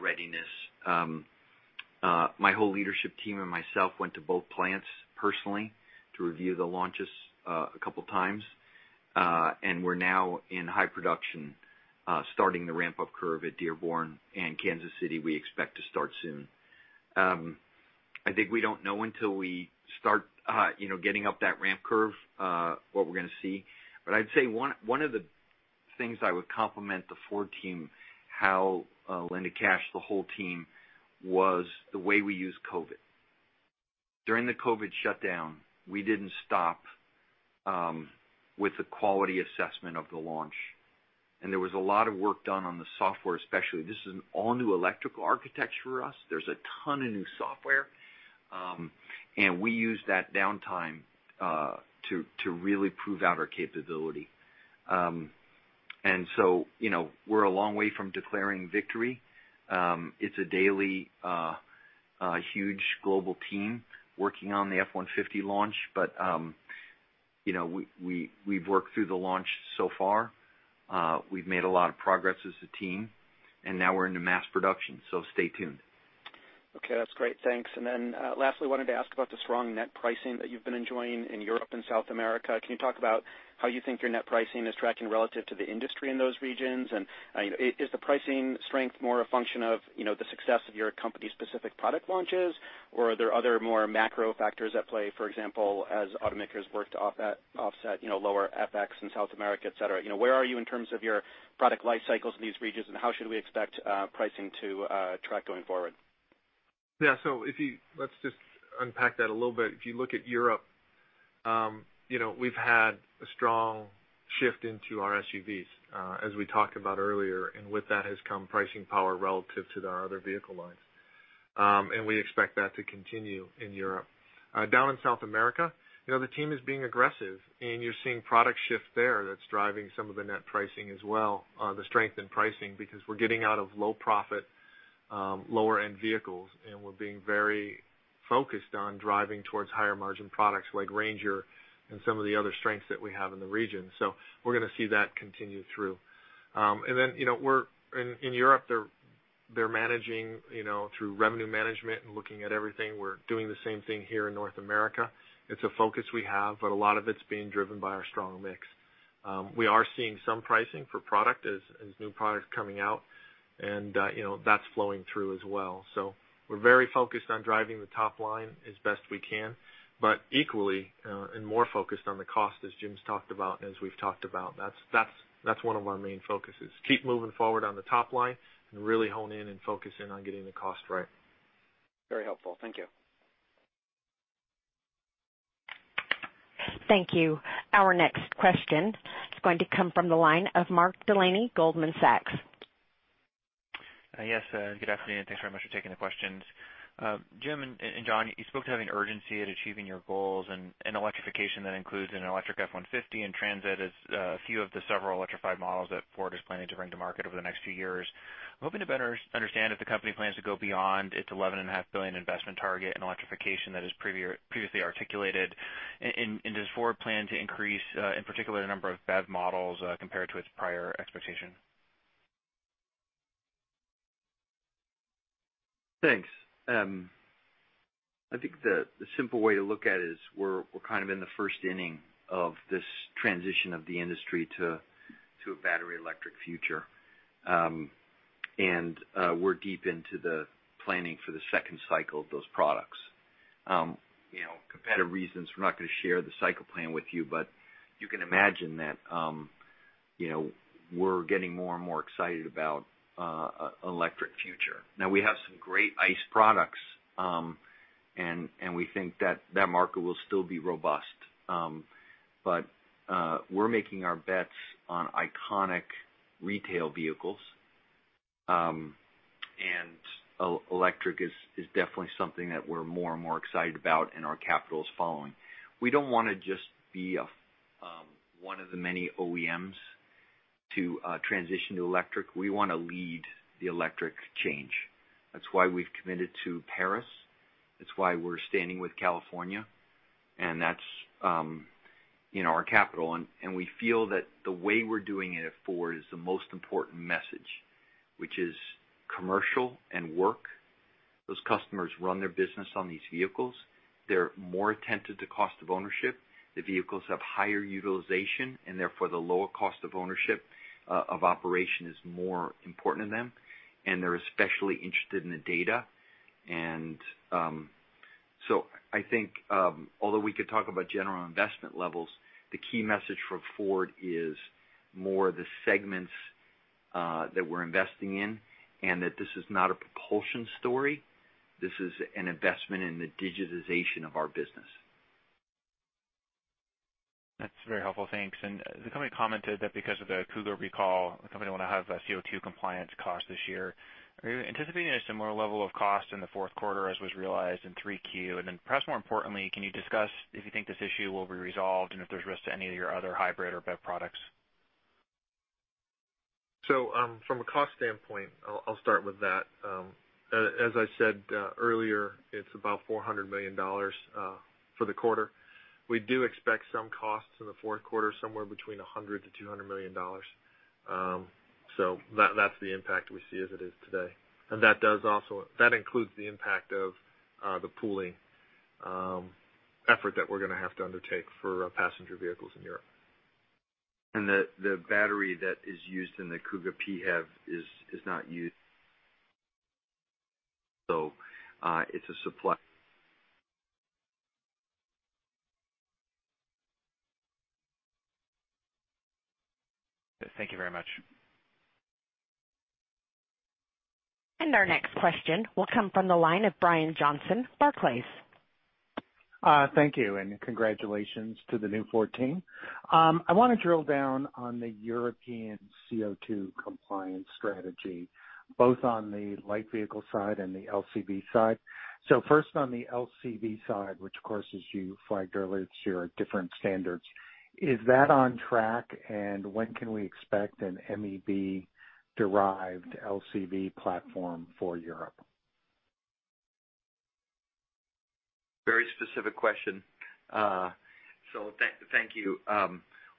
readiness. My whole leadership team and myself went to both plants personally to review the launches a couple of times. We're now in high production, starting the ramp-up curve at Dearborn and Kansas City we expect to start soon. I think we don't know until we start getting up that ramp curve what we're going to see. I'd say one of the things I would compliment the Ford team, Hau, Linda Cash, the whole team, was the way we used COVID. During the COVID shutdown, we didn't stop with the quality assessment of the launch. There was a lot of work done on the software especially. This is an all-new electrical architecture for us. There's a ton of new software. We used that downtime to really prove our capability. We're a long way from declaring victory. It's a daily huge global team working on the F-150 launch. We've worked through the launch so far. We've made a lot of progress as a team, and now we're into mass production, so stay tuned. Okay. That's great. Thanks. Lastly, wanted to ask about the strong net pricing that you've been enjoying in Europe and South America. Can you talk about how you think your net pricing is tracking relative to the industry in those regions? Is the pricing strength more a function of the success of your company's specific product launches, or are there other more macro factors at play, for example, as automakers work to offset lower FX in South America, et cetera. Where are you in terms of your product life cycles in these regions, and how should we expect pricing to track going forward? Yeah. Let's just unpack that a little bit. If you look at Europe, we've had a strong shift into our SUVs as we talked about earlier, and with that has come pricing power relative to our other vehicle lines. We expect that to continue in Europe. Down in South America, the team is being aggressive, and you're seeing product shift there that's driving some of the net pricing as well, the strength in pricing because we're getting out of low profit, lower-end vehicles, and we're being very focused on driving towards higher margin products like Ranger and some of the other strengths that we have in the region. We're going to see that continue through. In Europe, they're managing through revenue management and looking at everything. We're doing the same thing here in North America. It's a focus we have, but a lot of it's being driven by our strong mix. We are seeing some pricing for product as new product's coming out and that's flowing through as well. We're very focused on driving the top line as best we can, but equally and more focused on the cost as Jim's talked about, as we've talked about. That's one of our main focuses, keep moving forward on the top line and really hone in and focus in on getting the cost right. Very helpful. Thank you. Thank you. Our next question is going to come from the line of Mark Delaney, Goldman Sachs. Yes. Good afternoon. Thanks very much for taking the questions. Jim and John, you spoke to having urgency at achieving your goals and electrification that includes an electric F-150 and Transit as a few of the several electrified models that Ford is planning to bring to market over the next few years. I'm hoping to better understand if the company plans to go beyond its $11.5 billion investment target in electrification that is previously articulated. Does Ford plan to increase, in particular, the number of BEV models compared to its prior expectation? Thanks. I think the simple way to look at it is we're kind of in the first inning of this transition of the industry to a battery electric future. We're deep into the planning for the second cycle of those products. Competitive reasons, we're not going to share the cycle plan with you, but you can imagine that we're getting more and more excited about an electric future. Now, we have some great ICE products, and we think that that market will still be robust. We're making our bets on iconic retail vehicles. Electric is definitely something that we're more and more excited about and our capital is following. We don't want to just be one of the many OEMs to transition to electric. We want to lead the electric change. That's why we've committed to Paris. That's why we're standing with California. That's our capital. We feel that the way we're doing it at Ford is the most important message, which is commercial and work. Those customers run their business on these vehicles. They're more attentive to cost of ownership. The vehicles have higher utilization and therefore the lower cost of ownership of operation is more important to them. They're especially interested in the data. I think although we could talk about general investment levels, the key message from Ford is more the segments that we're investing in and that this is not a propulsion story. This is an investment in the digitization of our business. That's very helpful. Thanks. The company commented that because of the Kuga recall, the company will now have CO2 compliance cost this year. Are you anticipating a similar level of cost in the fourth quarter as was realized in 3Q? Perhaps more importantly, can you discuss if you think this issue will be resolved and if there's risk to any of your other hybrid or BEV products? From a cost standpoint, I'll start with that. As I said earlier, it's about $400 million for the quarter. We do expect some costs in the fourth quarter, somewhere between $100 million-$200 million. That's the impact we see as it is today. That includes the impact of the pooling effort that we're going to have to undertake for passenger vehicles in Europe. The battery that is used in the Kuga PHEV is not used so it's a supply. Thank you very much. Our next question will come from the line of Brian Johnson, Barclays. Thank you, and congratulations to the new Ford team. I want to drill down on the European CO2 compliance strategy, both on the light vehicle side and the LCV side. First on the LCV side, which of course, as you flagged earlier, it's your different standards. Is that on track, and when can we expect an MEB-derived LCV platform for Europe? Very specific question. Thank you.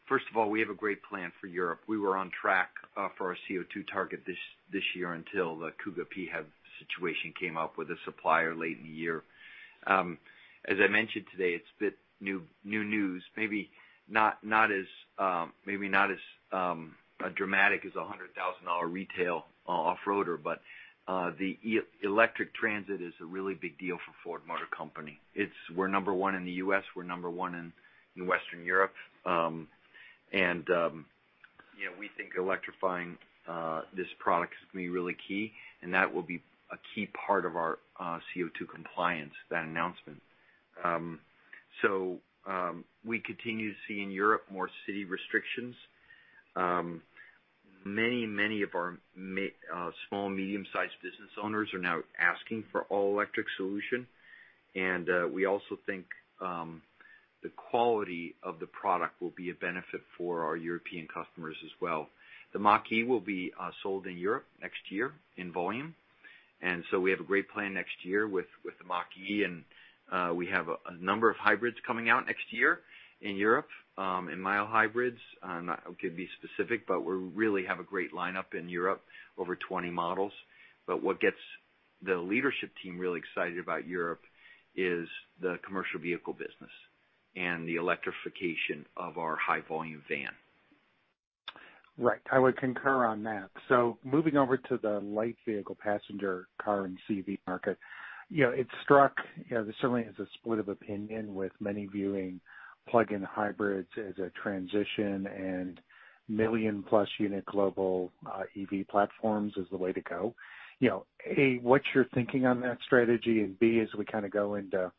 First of all, we have a great plan for Europe. We were on track for our CO2 target this year until the Kuga PHEV situation came up with a supplier late in the year. As I mentioned today, it's a bit new news. Maybe not as dramatic as a $100,000 retail off-roader, but the electric Transit is a really big deal for Ford Motor Company. We're number one in the U.S., we're number one in Western Europe. We think electrifying this product is going to be really key, and that will be a key part of our CO2 compliance, that announcement. We continue to see in Europe more city restrictions. Many of our small, medium-sized business owners are now asking for all-electric solution. We also think the quality of the product will be a benefit for our European customers as well. The Mach-E will be sold in Europe next year in volume. We have a great plan next year with the Mach-E, and we have a number of hybrids coming out next year in Europe, and mild hybrids. I'm not going to be specific, but we really have a great lineup in Europe, over 20 models. What gets the leadership team really excited about Europe is the commercial vehicle business and the electrification of our high-volume van. Right. I would concur on that. Moving over to the light vehicle passenger car and CV market. This certainly is a split of opinion with many viewing plug-in hybrids as a transition and million-plus unit global EV platforms as the way to go. A, what's your thinking on that strategy? B, as we kind of go into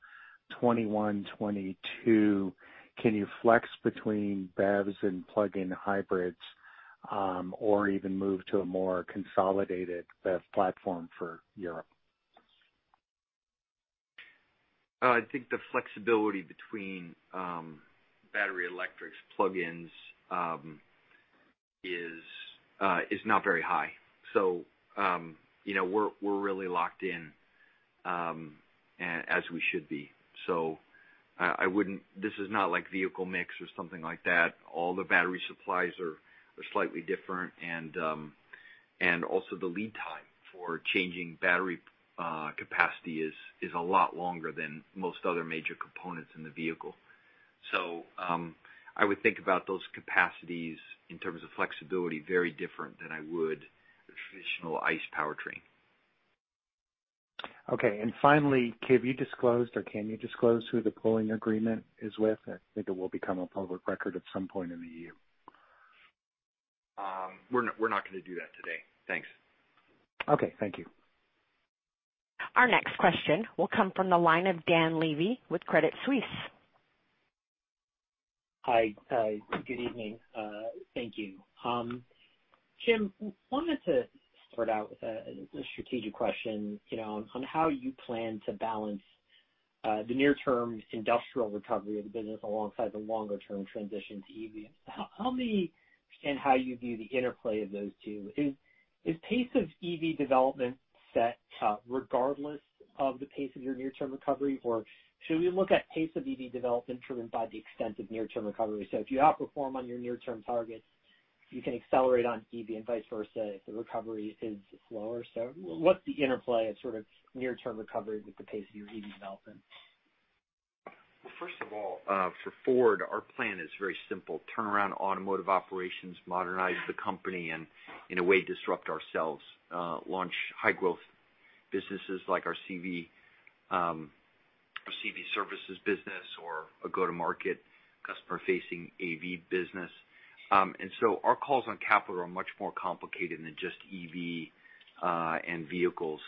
2021, 2022, can you flex between BEVs and plug-in hybrids, or even move to a more consolidated BEV platform for Europe? I think the flexibility between battery electrics, plug-ins is not very high. We're really locked in, as we should be. This is not like vehicle mix or something like that. All the battery supplies are slightly different. Also the lead time for changing battery capacity is a lot longer than most other major components in the vehicle. I would think about those capacities in terms of flexibility very different than I would the traditional ICE powertrain. Okay. Finally, have you disclosed, or can you disclose who the pooling agreement is with? I think it will become a public record at some point in the year. We're not going to do that today. Thanks. Okay. Thank you. Our next question will come from the line of Dan Levy with Credit Suisse. Hi. Good evening. Thank you. Jim, wanted to start out with a strategic question on how you plan to balance the near-term industrial recovery of the business alongside the longer-term transition to EV. Help me understand how you view the interplay of those two. Is pace of EV development set regardless of the pace of your near-term recovery? Should we look at pace of EV development driven by the extent of near-term recovery? If you outperform on your near-term targets, you can accelerate on EV and vice versa if the recovery is slower. What's the interplay of sort of near-term recovery with the pace of your EV development? Well, first of all, for Ford, our plan is very simple. Turn around automotive operations, modernize the company, and in a way, disrupt ourselves. Launch high-growth businesses like our CV services business or a go-to-market customer-facing AV business. Our calls on capital are much more complicated than just EV and vehicles.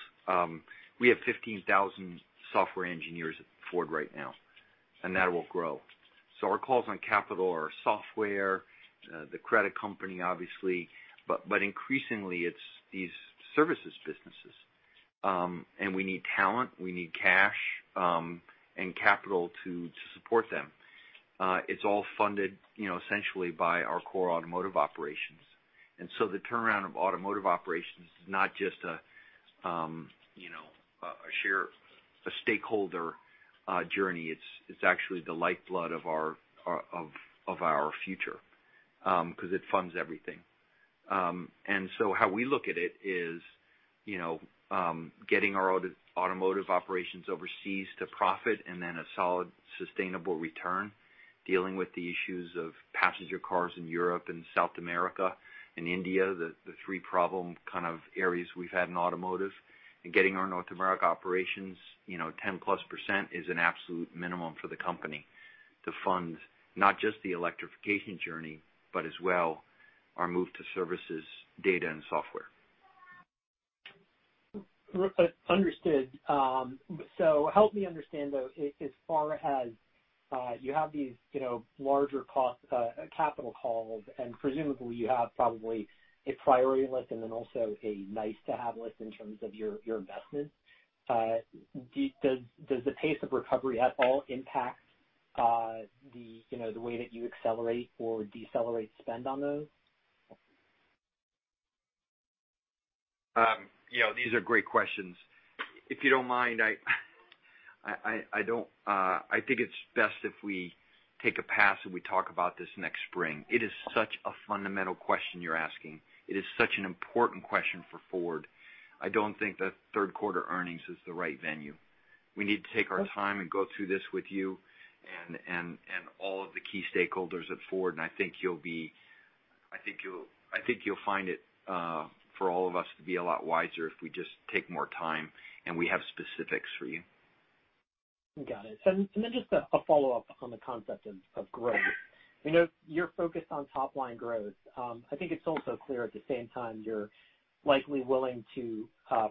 We have 15,000 software engineers at Ford right now, and that will grow. Our calls on capital are software, the credit company, obviously, but increasingly it's these services businesses. We need talent, we need cash, and capital to support them. It's all funded essentially by our core automotive operations. The turnaround of automotive operations is not just a stakeholder journey. It's actually the lifeblood of our future, because it funds everything. How we look at it is getting our automotive operations overseas to profit and then a solid, sustainable return, dealing with the issues of passenger cars in Europe and South America and India, the three problem kind of areas we've had in automotive. Getting our North America operations, 10%+ is an absolute minimum for the company to fund not just the electrification journey, but as well our move to services, data, and software. Understood. Help me understand, though, as far as you have these larger capital calls and presumably you have probably a priority list and then also a nice-to-have list in terms of your investment. Does the pace of recovery at all impact the way that you accelerate or decelerate spend on those? These are great questions. If you don't mind, I think it's best if we take a pass, we talk about this next spring. It is such a fundamental question you're asking. It is such an important question for Ford. I don't think that third quarter earnings is the right venue. We need to take our time and go through this with you and all of the key stakeholders at Ford. I think you'll find it, for all of us, to be a lot wiser if we just take more time, and we have specifics for you. Got it. Just a follow-up on the concept of growth. You're focused on top-line growth. I think it's also clear, at the same time, you're likely willing to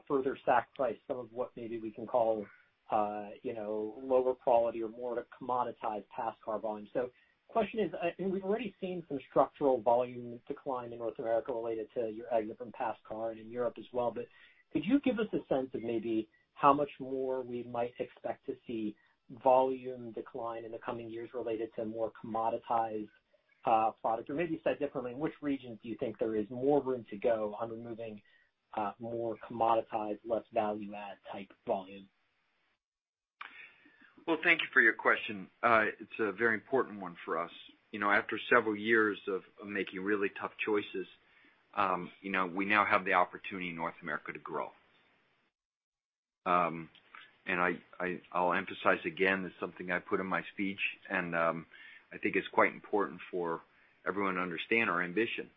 further sacrifice some of what maybe we can call lower quality or more of commoditized passenger car volume. The question is, and we've already seen some structural volume decline in North America related to your exit from passenger car and in Europe as well, but could you give us a sense of maybe how much more we might expect to see volume decline in the coming years related to more commoditized products? Maybe said differently, in which regions do you think there is more room to go on removing more commoditized, less value-add type volume? Well, thank you for your question. It's a very important one for us. After several years of making really tough choices, we now have the opportunity in North America to grow. I'll emphasize again, it's something I put in my speech, and I think it's quite important for everyone to understand our ambition.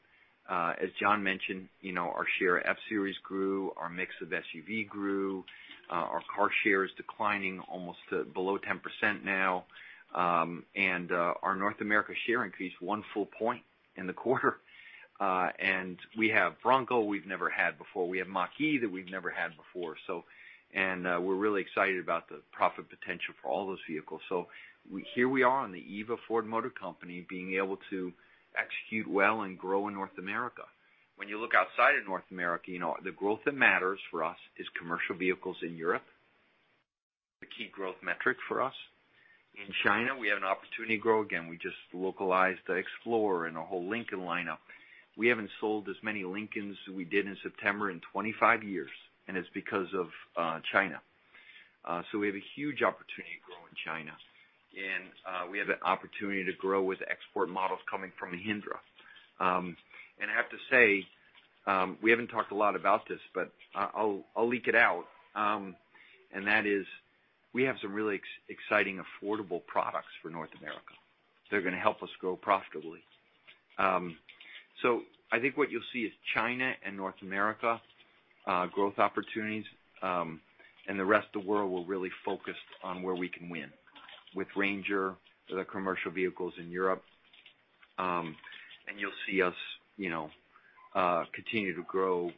As John mentioned, our share of F-Series grew, our mix of SUV grew, our car share is declining almost to below 10% now, and our North America share increased one full point in the quarter. We have Bronco we've never had before. We have Mach-E that we've never had before. We're really excited about the profit potential for all those vehicles. Here we are on the eve of Ford Motor Company being able to execute well and grow in North America. When you look outside of North America, the growth that matters for us is commercial vehicles in Europe. The key growth metric for us. In China, we have an opportunity to grow again. We just localized the Explorer and our whole Lincoln lineup. We haven't sold as many Lincolns as we did in September in 25 years, and it's because of China. We have a huge opportunity to grow in China. We have an opportunity to grow with export models coming from Mahindra. I have to say, we haven't talked a lot about this, but I'll leak it out, and that is we have some really exciting, affordable products for North America. They're going to help us grow profitably. I think what you'll see is China and North America growth opportunities, and the rest of the world will really focus on where we can win. With Ranger, the commercial vehicles in Europe, and you'll see us continue to grow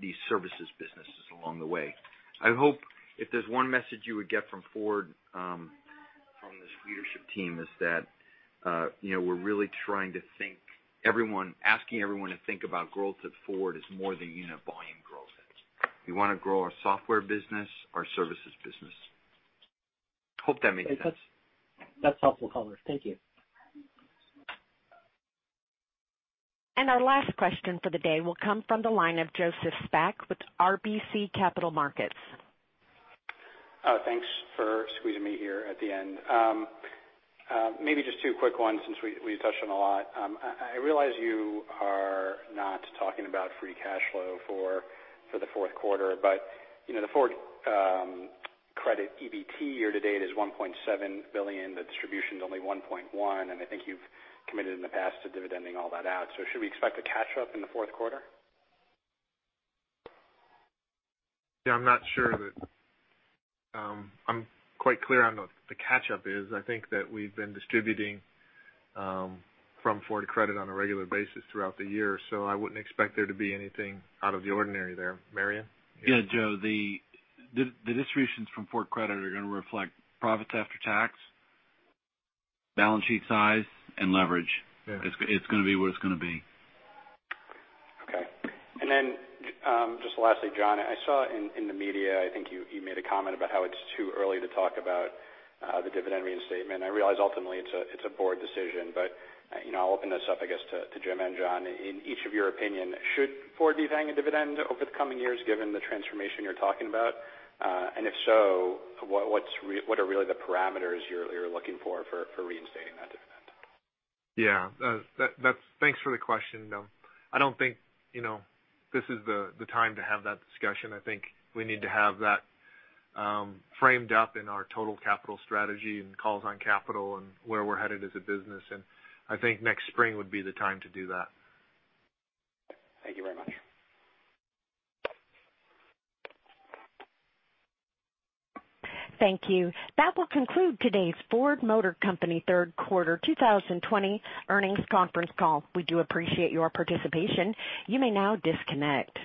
these services businesses along the way. I hope if there's one message you would get from Ford, from this leadership team is that we're really trying to think, asking everyone to think about growth at Ford as more than unit volume growth. We want to grow our software business, our services business. Hope that makes sense. That's helpful color. Thank you. Our last question for the day will come from the line of Joseph Spak with RBC Capital Markets. Thanks for squeezing me here at the end. Maybe just two quick ones since we touched on a lot. I realize you are not talking about free cash flow for the fourth quarter, but the Ford Credit EBT year to date is $1.7 billion. The distribution's only $1.1, and I think you've committed in the past to dividending all that out. Should we expect a catch-up in the fourth quarter? Yeah, I'm not sure that I'm quite clear on what the catch-up is. I think that we've been distributing from Ford Credit on a regular basis throughout the year, I wouldn't expect there to be anything out of the ordinary there. Marion? Yeah, Joe, the distributions from Ford Credit are going to reflect profits after tax, balance sheet size, and leverage. Yeah. It's going to be what it's going to be. Okay. Just lastly, John, I saw in the media, I think you made a comment about how it's too early to talk about the dividend reinstatement. I realize ultimately it's a board decision, I'll open this up, I guess, to Jim and John. In each of your opinion, should Ford be paying a dividend over the coming years given the transformation you're talking about? If so, what are really the parameters you're looking for reinstating that dividend? Yeah. Thanks for the question. I don't think this is the time to have that discussion. I think we need to have that framed up in our total capital strategy and calls on capital and where we're headed as a business. I think next spring would be the time to do that. Thank you very much. Thank you. That will conclude today's Ford Motor Company Third Quarter 2020 Earnings Conference Call. We do appreciate your participation. You may now disconnect.